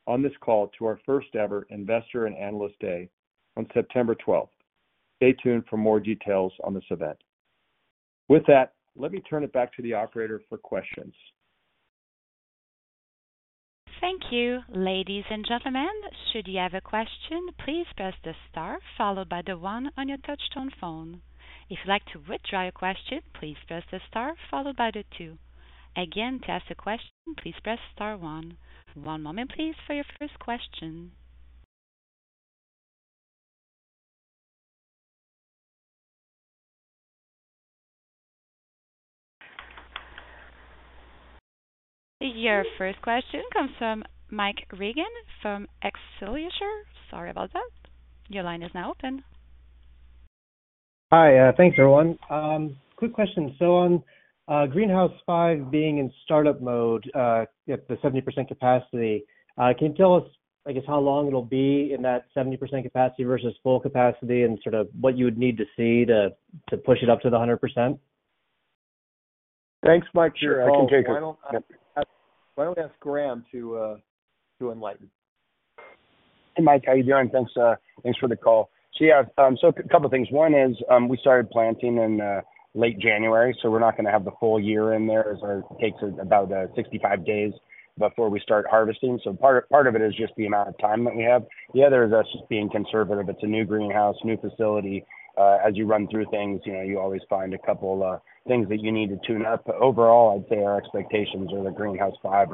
on this call to our first-ever Investor and Analyst Day on September 12th. Stay tuned for more details on this event. With that, let me turn it back to the operator for questions. Thank you, ladies and gentlemen. Should you have a question, please press the star followed by the one on your touch-tone phone. If you'd like to withdraw your question, please press the star followed by the two. Again, to ask a question, please press star one. One moment, please, for your first question. Your first question comes from Mike Regan from Excelsior. Sorry about that. Your line is now open. Hi. Thanks, everyone. Quick question. So on Greenhouse 5 being in startup mode at the 70% capacity, can you tell us, I guess, how long it'll be in that 70% capacity versus full capacity and sort of what you would need to see to push it up to the 100%? Thanks, Mike. Sure. I can take it. Why don't we ask Graham to enlighten? Hey, Mike. How are you doing? Thanks for the call. A couple of things. One is we started planting in late January, so we're not going to have the full year in there as it takes about 65 days before we start harvesting. Part of it is just the amount of time that we have. The other is us being conservative. It's a new greenhouse, new facility. As you run through things, you always find a couple of things that you need to tune up. But overall, I'd say our expectations are that Greenhouse 5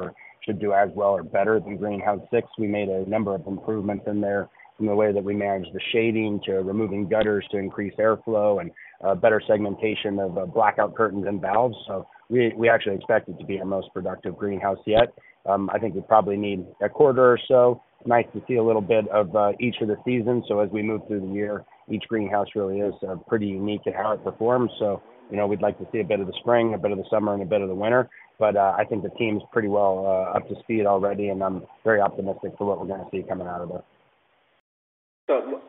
should do as well or better than Greenhouse 6. We made a number of improvements in there in the way that we manage the shading to removing gutters to increase airflow and better segmentation of blackout curtains and valves. We actually expect it to be our most productive greenhouse yet. I think we probably need a quarter or so. It's nice to see a little bit of each of the seasons. So as we move through the year, each greenhouse really is pretty unique in how it performs. So we'd like to see a bit of the spring, a bit of the summer, and a bit of the winter. But I think the team is pretty well up to speed already, and I'm very optimistic for what we're going to see coming out of this.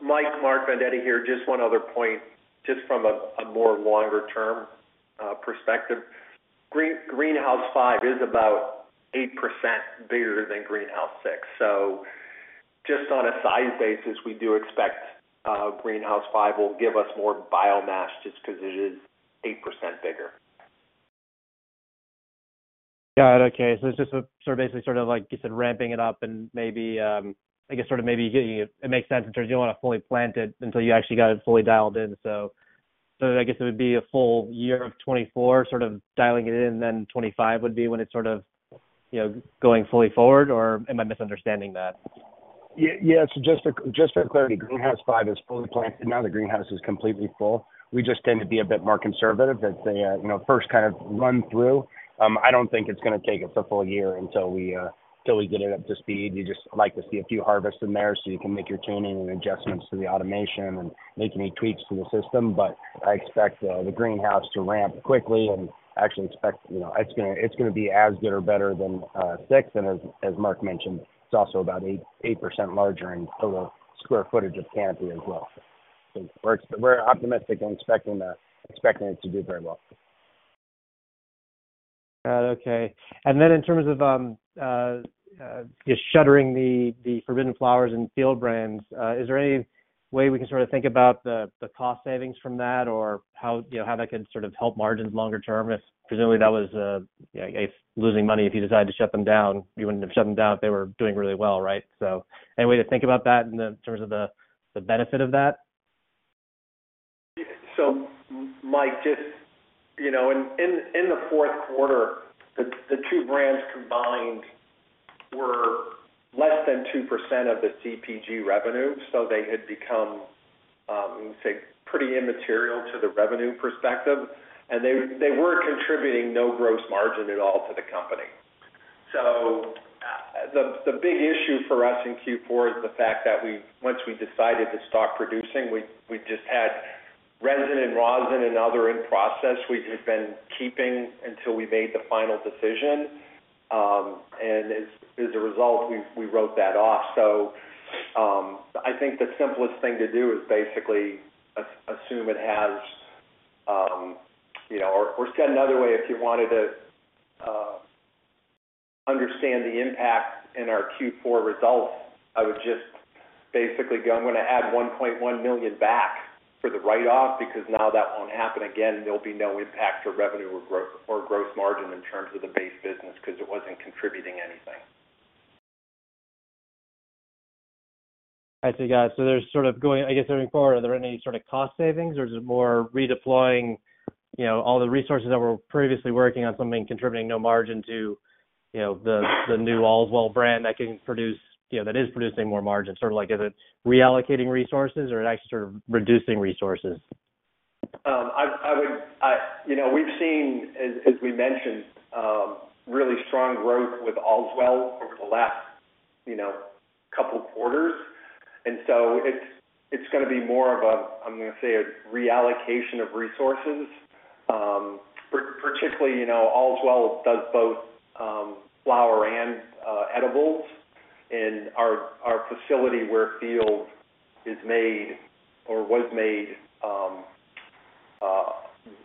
Mike, Mark Vendetti here. Just one other point, just from a more longer-term perspective. Greenhouse 5 is about 8% bigger than Greenhouse 6. Just on a size basis, we do expect Greenhouse 5 will give us more biomass just because it is 8% bigger. Got it. Okay. So it's just sort of basically sort of, I guess, ramping it up and maybe, I guess, sort of maybe it makes sense in terms of you don't want to fully plant it until you actually got it fully dialed in. So I guess it would be a full year of 2024 sort of dialing it in, and then 2025 would be when it's sort of going fully forward, or am I misunderstanding that? Yeah. So just for clarity, Greenhouse 5 is fully planted. Now the greenhouse is completely full. We just tend to be a bit more conservative as they first kind of run through. I don't think it's going to take us a full year until we get it up to speed. You just like to see a few harvests in there so you can make your tuning and adjustments to the automation and make any tweaks to the system. But I expect the greenhouse to ramp quickly and actually expect it's going to be as good or better than 6. And as Mark mentioned, it's also about 8% larger in total square footage of canopy as well. So we're optimistic and expecting it to do very well. Got it. Okay. And then in terms of just shuttering the Forbidden Flowers and Field brands, is there any way we can sort of think about the cost savings from that or how that could sort of help margins longer term? Presumably, that was losing money. If you decided to shut them down, you wouldn't have shut them down if they were doing really well, right? So any way to think about that in terms of the benefit of that? So Mike, just in the fourth quarter, the two brands combined were less than 2% of the CPG revenue. So they had become, let me say, pretty immaterial to the revenue perspective. And they were contributing no gross margin at all to the company. So the big issue for us in Q4 is the fact that once we decided to stop producing, we just had resin and rosin and other in process we had been keeping until we made the final decision. And as a result, we wrote that off. So I think the simplest thing to do is basically assume it has or said another way, if you wanted to understand the impact in our Q4 results, I would just basically go, "I'm going to add $1.1 million back for the write-off because now that won't happen again. There'll be no impact to revenue or gross margin in terms of the base business because it wasn't contributing anything. I see. Got it. So I guess moving forward, are there any sort of cost savings, or is it more redeploying all the resources that were previously working on something contributing no margin to the new Allswell brand that is producing more margin? Sort of is it reallocating resources, or is it actually sort of reducing resources? We've seen, as we mentioned, really strong growth with Allswell over the last couple of quarters. So it's going to be more of a, I'm going to say, a reallocation of resources. Particularly, Allswell does both flower and edibles. And our facility where Field is made or was made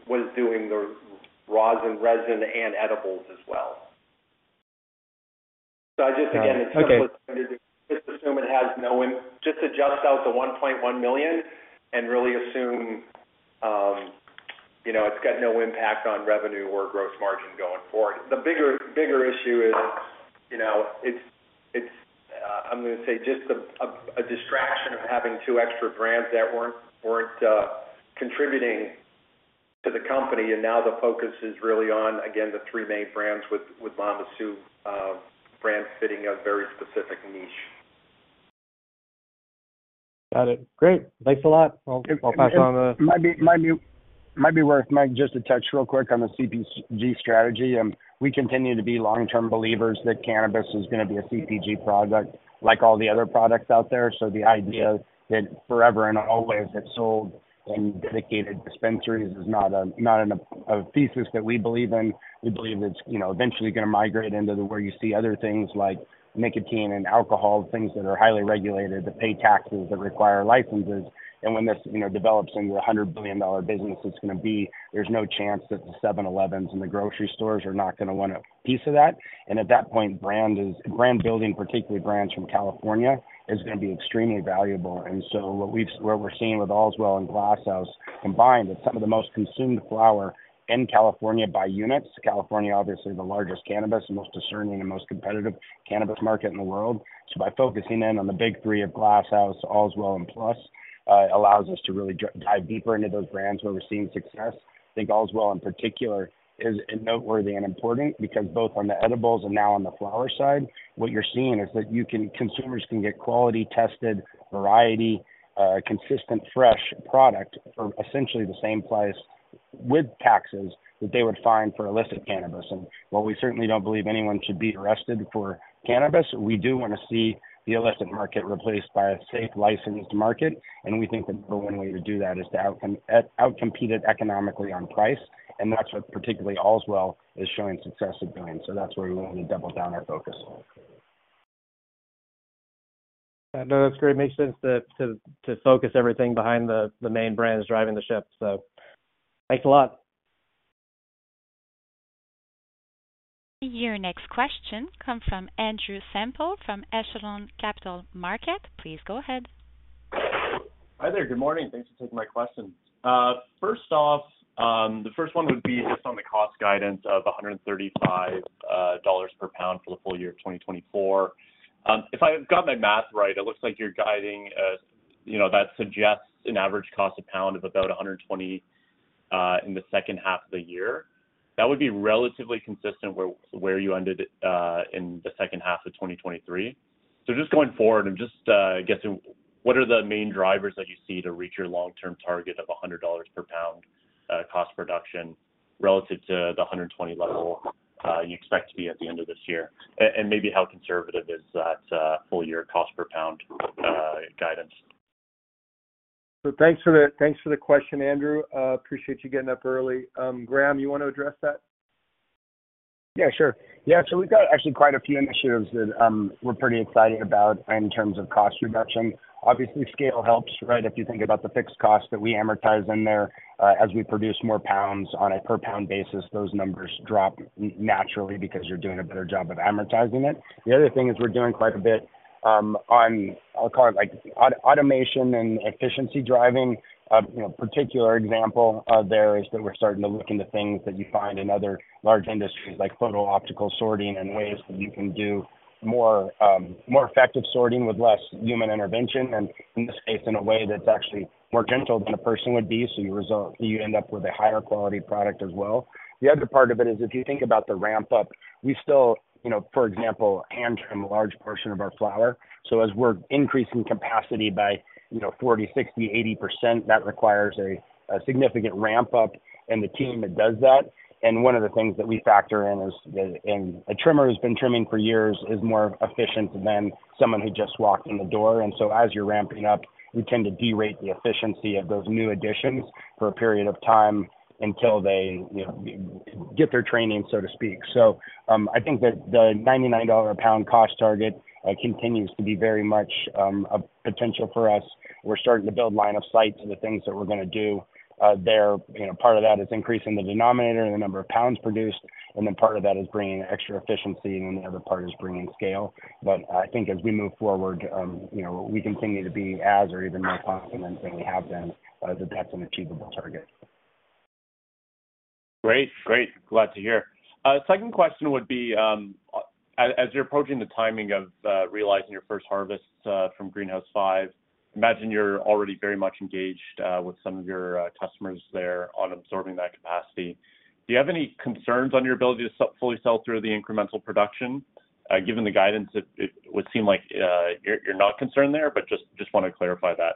was doing the rosin, resin, and edibles as well. So again, it's simply just assume it has no just adjust out the $1.1 million and really assume it's got no impact on revenue or gross margin going forward. The bigger issue is it's, I'm going to say, just a distraction of having two extra brands that weren't contributing to the company. And now the focus is really on, again, the three main brands with Mama Sue's brand fitting a very specific niche. Got it. Great. Thanks a lot. I'll pass on the. It might be worth, Mike, just to touch real quick on the CPG strategy. We continue to be long-term believers that cannabis is going to be a CPG product like all the other products out there. The idea that forever and always it's sold in dedicated dispensaries is not a thesis that we believe in. We believe it's eventually going to migrate into where you see other things like nicotine and alcohol, things that are highly regulated that pay taxes that require licenses. And when this develops into a $100 billion business, there's no chance that the 7-Elevens and the grocery stores are not going to want a piece of that. And at that point, brand building, particularly brands from California, is going to be extremely valuable. What we're seeing with Allswell and Glass House combined, it's some of the most consumed flower in California by units. California, obviously, the largest cannabis, most discerning, and most competitive cannabis market in the world. By focusing in on the big three of Glass House, Allswell, and Plus, it allows us to really dive deeper into those brands where we're seeing success. I think Allswell, in particular, is noteworthy and important because both on the edibles and now on the flower side, what you're seeing is that consumers can get quality-tested variety, consistent, fresh product for essentially the same price with taxes that they would find for illicit cannabis. And while we certainly don't believe anyone should be arrested for cannabis, we do want to see the illicit market replaced by a safe, licensed market. We think the number one way to do that is to outcompete it economically on price. That's what particularly Allswell is showing success at doing. That's where we wanted to double down our focus. No, that's great. Makes sense to focus everything behind the main brand is driving the ship. So thanks a lot. Your next question comes from Andrew Semple from Echelon Capital Markets. Please go ahead. Hi there. Good morning. Thanks for taking my question. First off, the first one would be just on the cost guidance of $135 per pound for the full year of 2024. If I've got my math right, it looks like you're guiding that suggests an average cost a pound of about 120 in the second half of the year. That would be relatively consistent with where you ended in the second half of 2023. So just going forward, I'm just guessing, what are the main drivers that you see to reach your long-term target of $100 per pound cost production relative to the 120 level you expect to be at the end of this year? And maybe how conservative is that full-year cost per pound guidance? Thanks for the question, Andrew. Appreciate you getting up early. Graham, you want to address that? Yeah, sure. Yeah. So we've got actually quite a few initiatives that we're pretty excited about in terms of cost reduction. Obviously, scale helps, right? If you think about the fixed cost that we amortize in there, as we produce more pounds on a per-pound basis, those numbers drop naturally because you're doing a better job of amortizing it. The other thing is we're doing quite a bit on, I'll call it, automation and efficiency driving. A particular example there is that we're starting to look into things that you find in other large industries like photo-optical sorting and ways that you can do more effective sorting with less human intervention. In this case, in a way that's actually more gentle than a person would be, so you end up with a higher quality product as well. The other part of it is if you think about the ramp-up, we still, for example, hand trim a large portion of our flower. So as we're increasing capacity by 40%, 60%, 80%, that requires a significant ramp-up and the team that does that. And one of the things that we factor in is a trimmer who's been trimming for years is more efficient than someone who just walked in the door. And so as you're ramping up, you tend to derate the efficiency of those new additions for a period of time until they get their training, so to speak. So I think that the $99 a pound cost target continues to be very much a potential for us. We're starting to build line of sight to the things that we're going to do there. Part of that is increasing the denominator and the number of pounds produced. And then part of that is bringing extra efficiency, and then the other part is bringing scale. But I think as we move forward, we continue to be as or even more confident than we have been that that's an achievable target. Great. Great. Glad to hear. Second question would be, as you're approaching the timing of realizing your first harvest from Greenhouse 5, imagine you're already very much engaged with some of your customers there on absorbing that capacity. Do you have any concerns on your ability to fully sell through the incremental production? Given the guidance, it would seem like you're not concerned there, but just want to clarify that.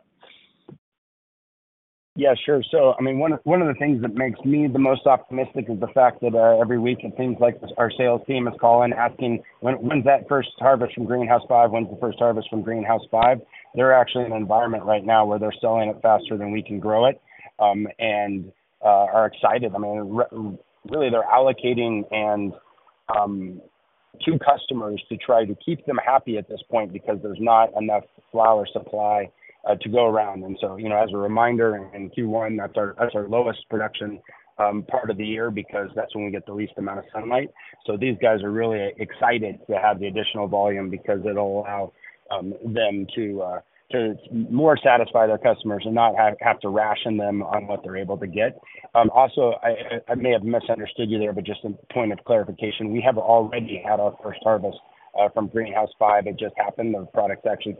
Yeah, sure. So I mean, one of the things that makes me the most optimistic is the fact that every week, it seems like our sales team is calling asking, "When's that first harvest from Greenhouse 5? When's the first harvest from Greenhouse 5?" They're actually in an environment right now where they're selling it faster than we can grow it and are excited. I mean, really, they're allocating two customers to try to keep them happy at this point because there's not enough flower supply to go around. And so as a reminder, in Q1, that's our lowest production part of the year because that's when we get the least amount of sunlight. So these guys are really excited to have the additional volume because it'll allow them to more satisfy their customers and not have to ration them on what they're able to get. Also, I may have misunderstood you there, but just a point of clarification, we have already had our first harvest from Greenhouse 5. It just happened. The product's actually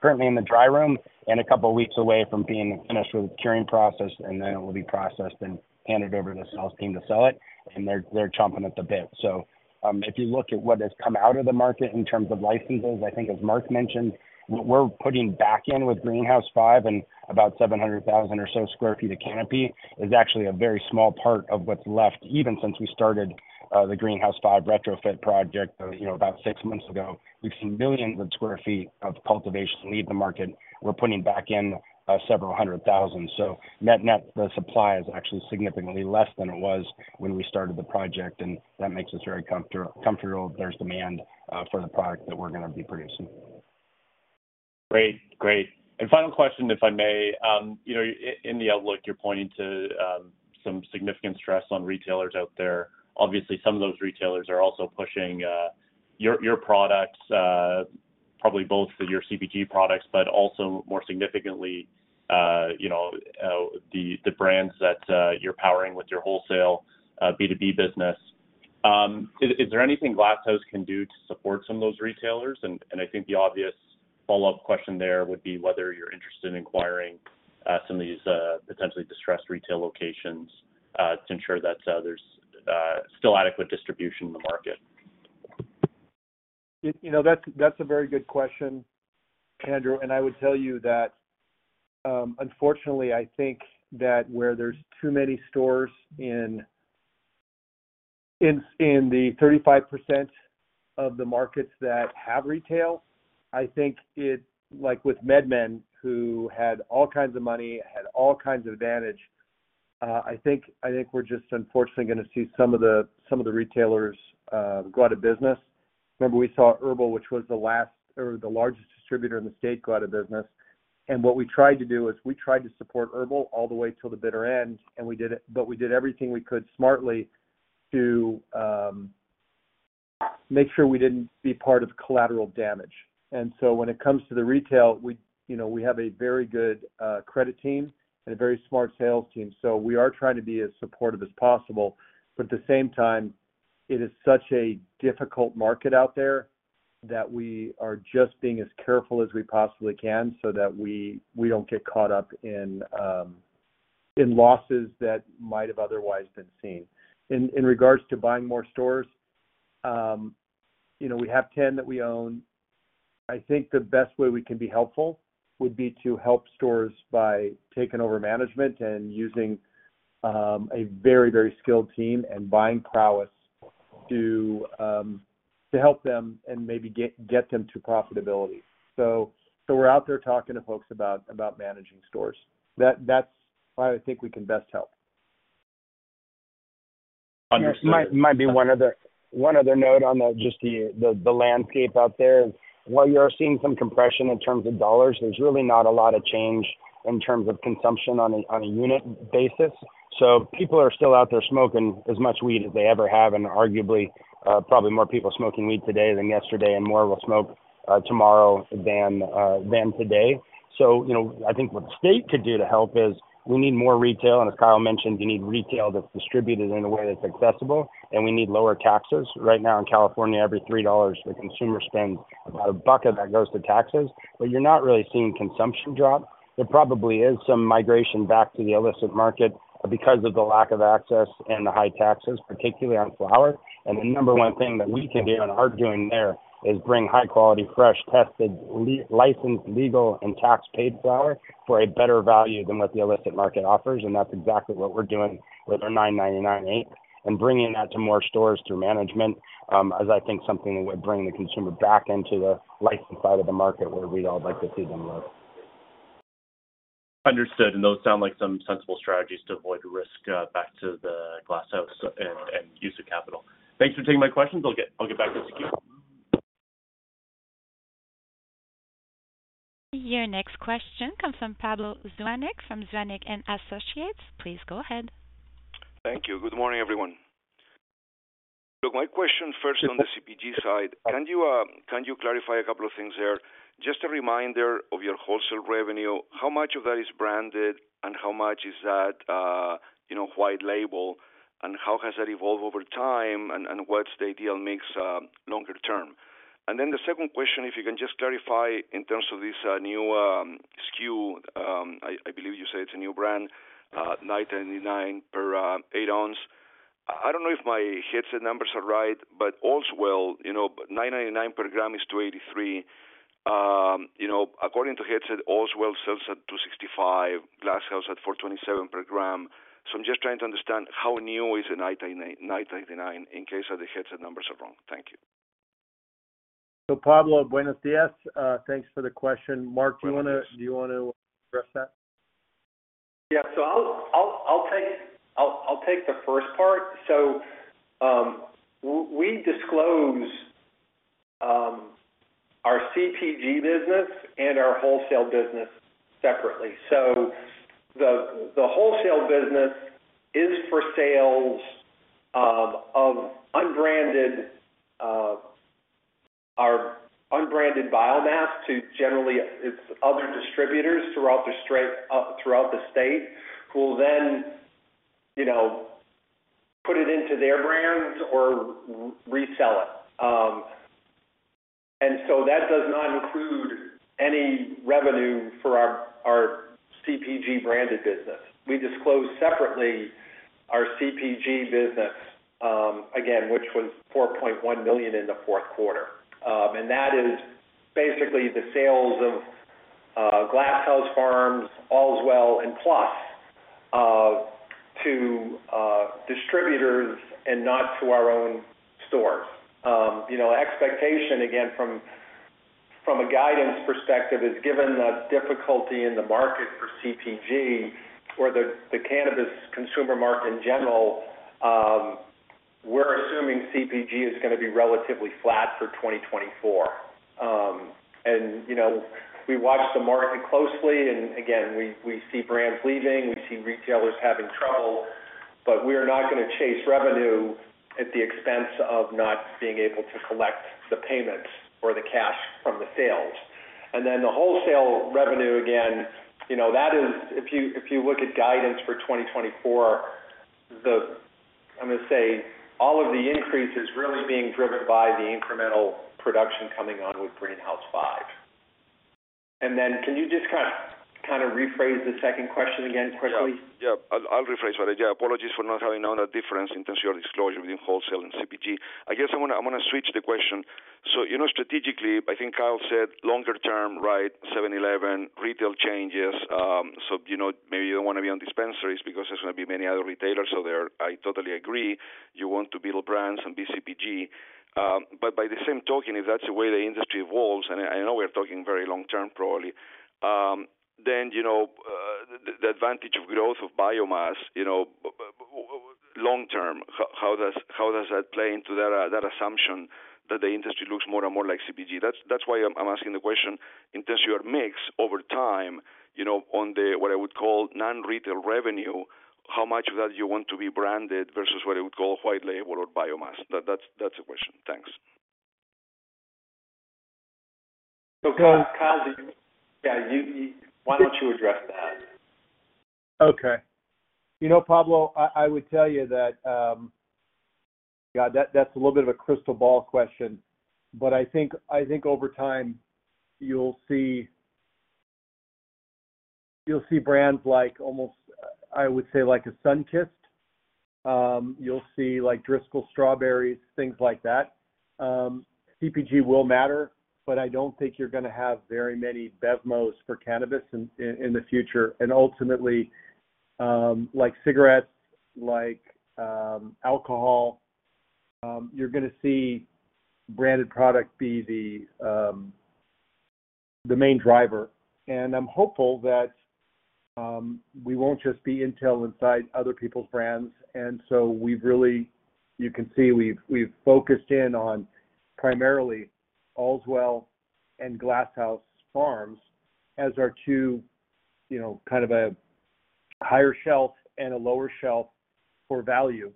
currently in the dry room and a couple of weeks away from being finished with the curing process. And then it will be processed and handed over to the sales team to sell it. And they're chomping at the bit. So if you look at what has come out of the market in terms of licenses, I think, as Mark mentioned, what we're putting back in with Greenhouse 5 and about 700,000 or so sq ft of canopy is actually a very small part of what's left. Even since we started the Greenhouse 5 retrofit project about six months ago, we've seen millions of sq ft of cultivation leave the market. We're putting back in several hundred thousand. Net-net, the supply is actually significantly less than it was when we started the project. That makes us very comfortable there's demand for the product that we're going to be producing. Great. Great. And final question, if I may. In the outlook, you're pointing to some significant stress on retailers out there. Obviously, some of those retailers are also pushing your products, probably both your CPG products, but also more significantly the brands that you're powering with your wholesale B2B business. Is there anything Glass House can do to support some of those retailers? And I think the obvious follow-up question there would be whether you're interested in acquiring some of these potentially distressed retail locations to ensure that there's still adequate distribution in the market. That's a very good question, Andrew. And I would tell you that, unfortunately, I think that where there's too many stores in the 35% of the markets that have retail, I think with MedMen, who had all kinds of money, had all kinds of advantage, I think we're just unfortunately going to see some of the retailers go out of business. Remember, we saw HERBL, which was the last or the largest distributor in the state, go out of business. And what we tried to do is we tried to support HERBL all the way till the bitter end. But we did everything we could smartly to make sure we didn't be part of collateral damage. And so when it comes to the retail, we have a very good credit team and a very smart sales team. So we are trying to be as supportive as possible. But at the same time, it is such a difficult market out there that we are just being as careful as we possibly can so that we don't get caught up in losses that might have otherwise been seen. In regards to buying more stores, we have 10 that we own. I think the best way we can be helpful would be to help stores by taking over management and using a very, very skilled team and buying prowess to help them and maybe get them to profitability. So we're out there talking to folks about managing stores. That's why I think we can best help. Understood. Might be one other note on just the landscape out there is while you are seeing some compression in terms of dollars, there's really not a lot of change in terms of consumption on a unit basis. So people are still out there smoking as much weed as they ever have and arguably probably more people smoking weed today than yesterday and more will smoke tomorrow than today. So I think what the state could do to help is we need more retail. And as Kyle mentioned, you need retail that's distributed in a way that's accessible. And we need lower taxes. Right now in California, every $3 a consumer spends, about a buck of that goes to taxes. But you're not really seeing consumption drop. There probably is some migration back to the illicit market because of the lack of access and the high taxes, particularly on flower. The number 1 thing that we can do and are doing there is bring high-quality, fresh, tested, licensed, legal, and tax-paid flower for a better value than what the illicit market offers. That's exactly what we're doing with our $9.99/8th and bringing that to more stores through management as I think something that would bring the consumer back into the licensed side of the market where we'd all like to see them live. Understood. Those sound like some sensible strategies to avoid risk back to the Glass House and use of capital. Thanks for taking my questions. I'll get back into queue. Your next question comes from Pablo Zuanic from Zuanic & Associates. Please go ahead. Thank you. Good morning, everyone. Look, my question first on the CPG side, can you clarify a couple of things there? Just a reminder of your wholesale revenue, how much of that is branded and how much is that white label? And how has that evolved over time? And what's the ideal mix longer term? And then the second question, if you can just clarify in terms of this new SKU, I believe you said it's a new brand, $9.99 per eighth ounce. I don't know if my Headset numbers are right, but Allswell, $9.99 per gram is $$2.83 According to Headset, Allswell sells at $2.65, Glass House at $4.27 per gram. So I'm just trying to understand how new is the $9.99 in case the Headset numbers are wrong. Thank you. So Pablo, buenos días. Thanks for the question. Mark, do you want to address that? Yeah. So I'll take the first part. So we disclose our CPG business and our wholesale business separately. So the wholesale business is for sales of our unbranded biomass to generally its other distributors throughout the state who will then put it into their brands or resell it. And so that does not include any revenue for our CPG branded business. We disclose separately our CPG business, again, which was $4.1 million in the fourth quarter. And that is basically the sales of Glass House Farms, Allswell, and Plus to distributors and not to our own stores. Expectation, again, from a guidance perspective, is given the difficulty in the market for CPG or the cannabis consumer market in general, we're assuming CPG is going to be relatively flat for 2024. And we watch the market closely. And again, we see brands leaving. We see retailers having trouble. But we are not going to chase revenue at the expense of not being able to collect the payments or the cash from the sales. And then the wholesale revenue, again, that is if you look at guidance for 2024, I'm going to say all of the increase is really being driven by the incremental production coming on with Greenhouse 5. And then can you just kind of rephrase the second question again quickly? Yeah. Yeah. I'll rephrase for that. Yeah. Apologies for not having known the difference in terms of your disclosure between wholesale and CPG. I guess I'm going to switch the question. So strategically, I think Kyle said longer term, right, 7-Eleven, retail changes. So maybe you don't want to be on dispensaries because there's going to be many other retailers out there. I totally agree. You want to build brands and be CPG. But by the same talking, if that's the way the industry evolves - and I know we are talking very long-term, probably - then the advantage of growth of biomass long-term, how does that play into that assumption that the industry looks more and more like CPG? That's why I'm asking the question in terms of your mix over time on what I would call non-retail revenue, how much of that you want to be branded versus what I would call white label or biomass? That's the question. Thanks. Kyle, yeah, why don't you address that? Okay. Pablo, I would tell you that, God, that's a little bit of a crystal ball question. But I think over time, you'll see brands like almost, I would say, like a Sunkist. You'll see Driscoll’s strawberries, things like that. CPG will matter, but I don't think you're going to have very many BevMo!s for cannabis in the future. And ultimately, like cigarettes, like alcohol, you're going to see branded product be the main driver. And I'm hopeful that we won't just be Intel Inside other people's brands. And so you can see we've focused in on primarily Allswell and Glass House Farms as our two kind of a higher shelf and a lower shelf for value.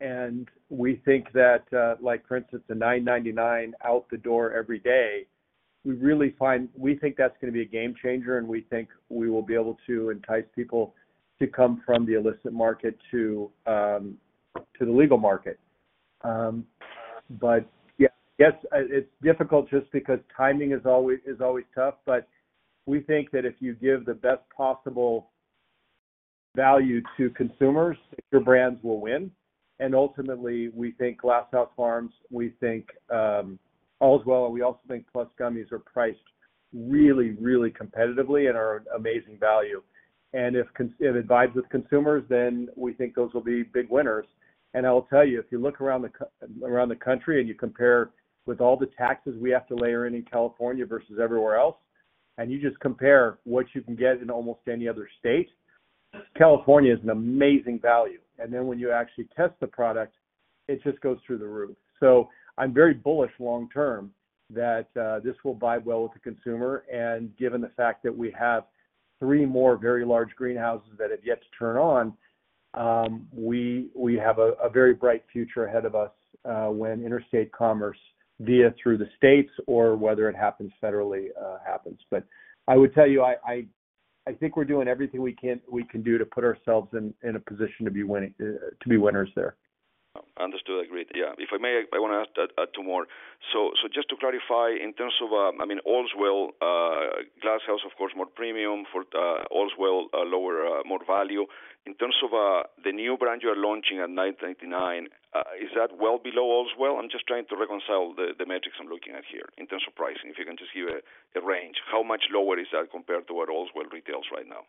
And we think that, for instance, a $9.99 out the door every day, we really find we think that's going to be a game-changer. And we think we will be able to entice people to come from the illicit market to the legal market. But yeah, I guess it's difficult just because timing is always tough. But we think that if you give the best possible value to consumers, your brands will win. And ultimately, we think Glass House Farms, we think Allswell, and we also think Plus Gummies are priced really, really competitively and are of amazing value. And if it vibes with consumers, then we think those will be big winners. And I will tell you, if you look around the country and you compare with all the taxes we have to layer in in California versus everywhere else, and you just compare what you can get in almost any other state, California is an amazing value. And then when you actually test the product, it just goes through the roof. I'm very bullish long-term that this will vibe well with the consumer. Given the fact that we have three more very large greenhouses that have yet to turn on, we have a very bright future ahead of us when interstate commerce via through the states or whether it happens federally happens. I would tell you, I think we're doing everything we can do to put ourselves in a position to be winners there. Understood. Agreed. Yeah. If I may, I want to ask two more. So just to clarify in terms of, I mean, Allswell, Glass House, of course, more premium. For Allswell, more value. In terms of the new brand you are launching at $9.99, is that well below Allswell? I'm just trying to reconcile the metrics I'm looking at here in terms of pricing. If you can just give a range, how much lower is that compared to what Allswell retails right now?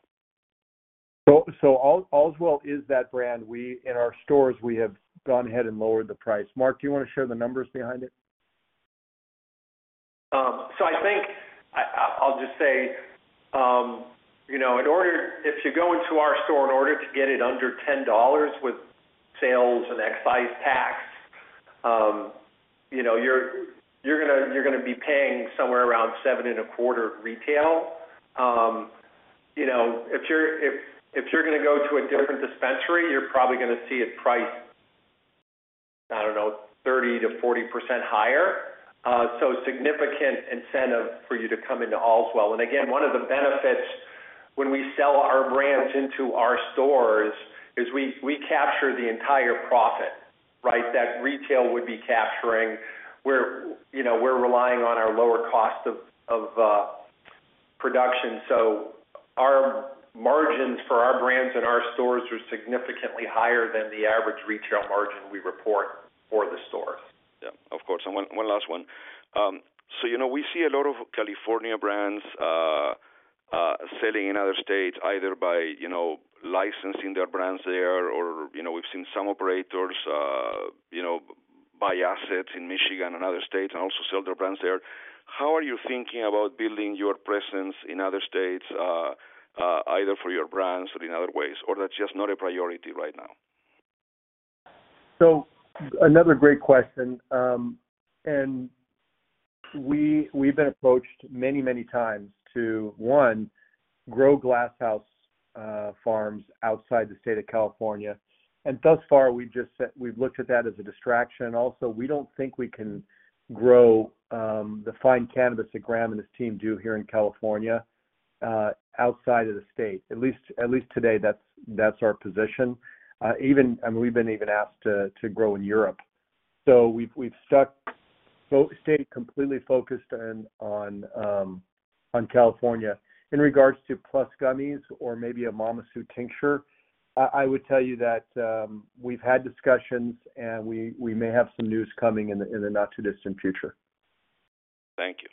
Allswell is that brand. In our stores, we have gone ahead and lowered the price. Mark, do you want to share the numbers behind it? So I think I'll just say, if you go into our store, in order to get it under $10 with sales and excise tax, you're going to be paying somewhere around $7.25 retail. If you're going to go to a different dispensary, you're probably going to see it priced, I don't know, 30%-40% higher. So significant incentive for you to come into Allswell. And again, one of the benefits when we sell our brands into our stores is we capture the entire profit, right, that retail would be capturing. We're relying on our lower cost of production. So our margins for our brands and our stores are significantly higher than the average retail margin we report for the stores. Yeah. Of course. And one last one. So we see a lot of California brands selling in other states either by licensing their brands there or we've seen some operators buy assets in Michigan and other states and also sell their brands there. How are you thinking about building your presence in other states either for your brands or in other ways? Or that's just not a priority right now? So another great question. And we've been approached many, many times to, one, grow Glass House Farms outside the state of California. And thus far, we've looked at that as a distraction. Also, we don't think we can grow the fine cannabis that Graham and his team do here in California outside of the state. At least today, that's our position. I mean, we've been even asked to grow in Europe. So we've stayed completely focused on California in regards to Plus Gummies or maybe a Mama Sue's tincture. I would tell you that we've had discussions, and we may have some news coming in the not-too-distant future. Thank you.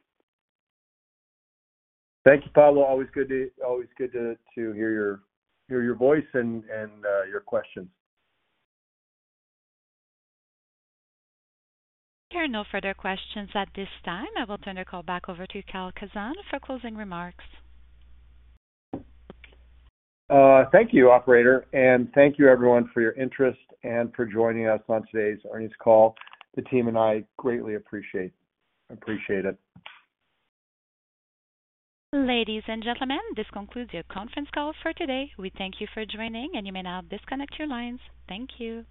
Thank you, Pablo. Always good to hear your voice and your questions. There are no further questions at this time. I will turn the call back over to Kyle Kazan for closing remarks. Thank you, operator. Thank you, everyone, for your interest and for joining us on today's earnings call. The team and I greatly appreciate it. Ladies and gentlemen, this concludes your conference call for today. We thank you for joining, and you may now disconnect your lines. Thank you.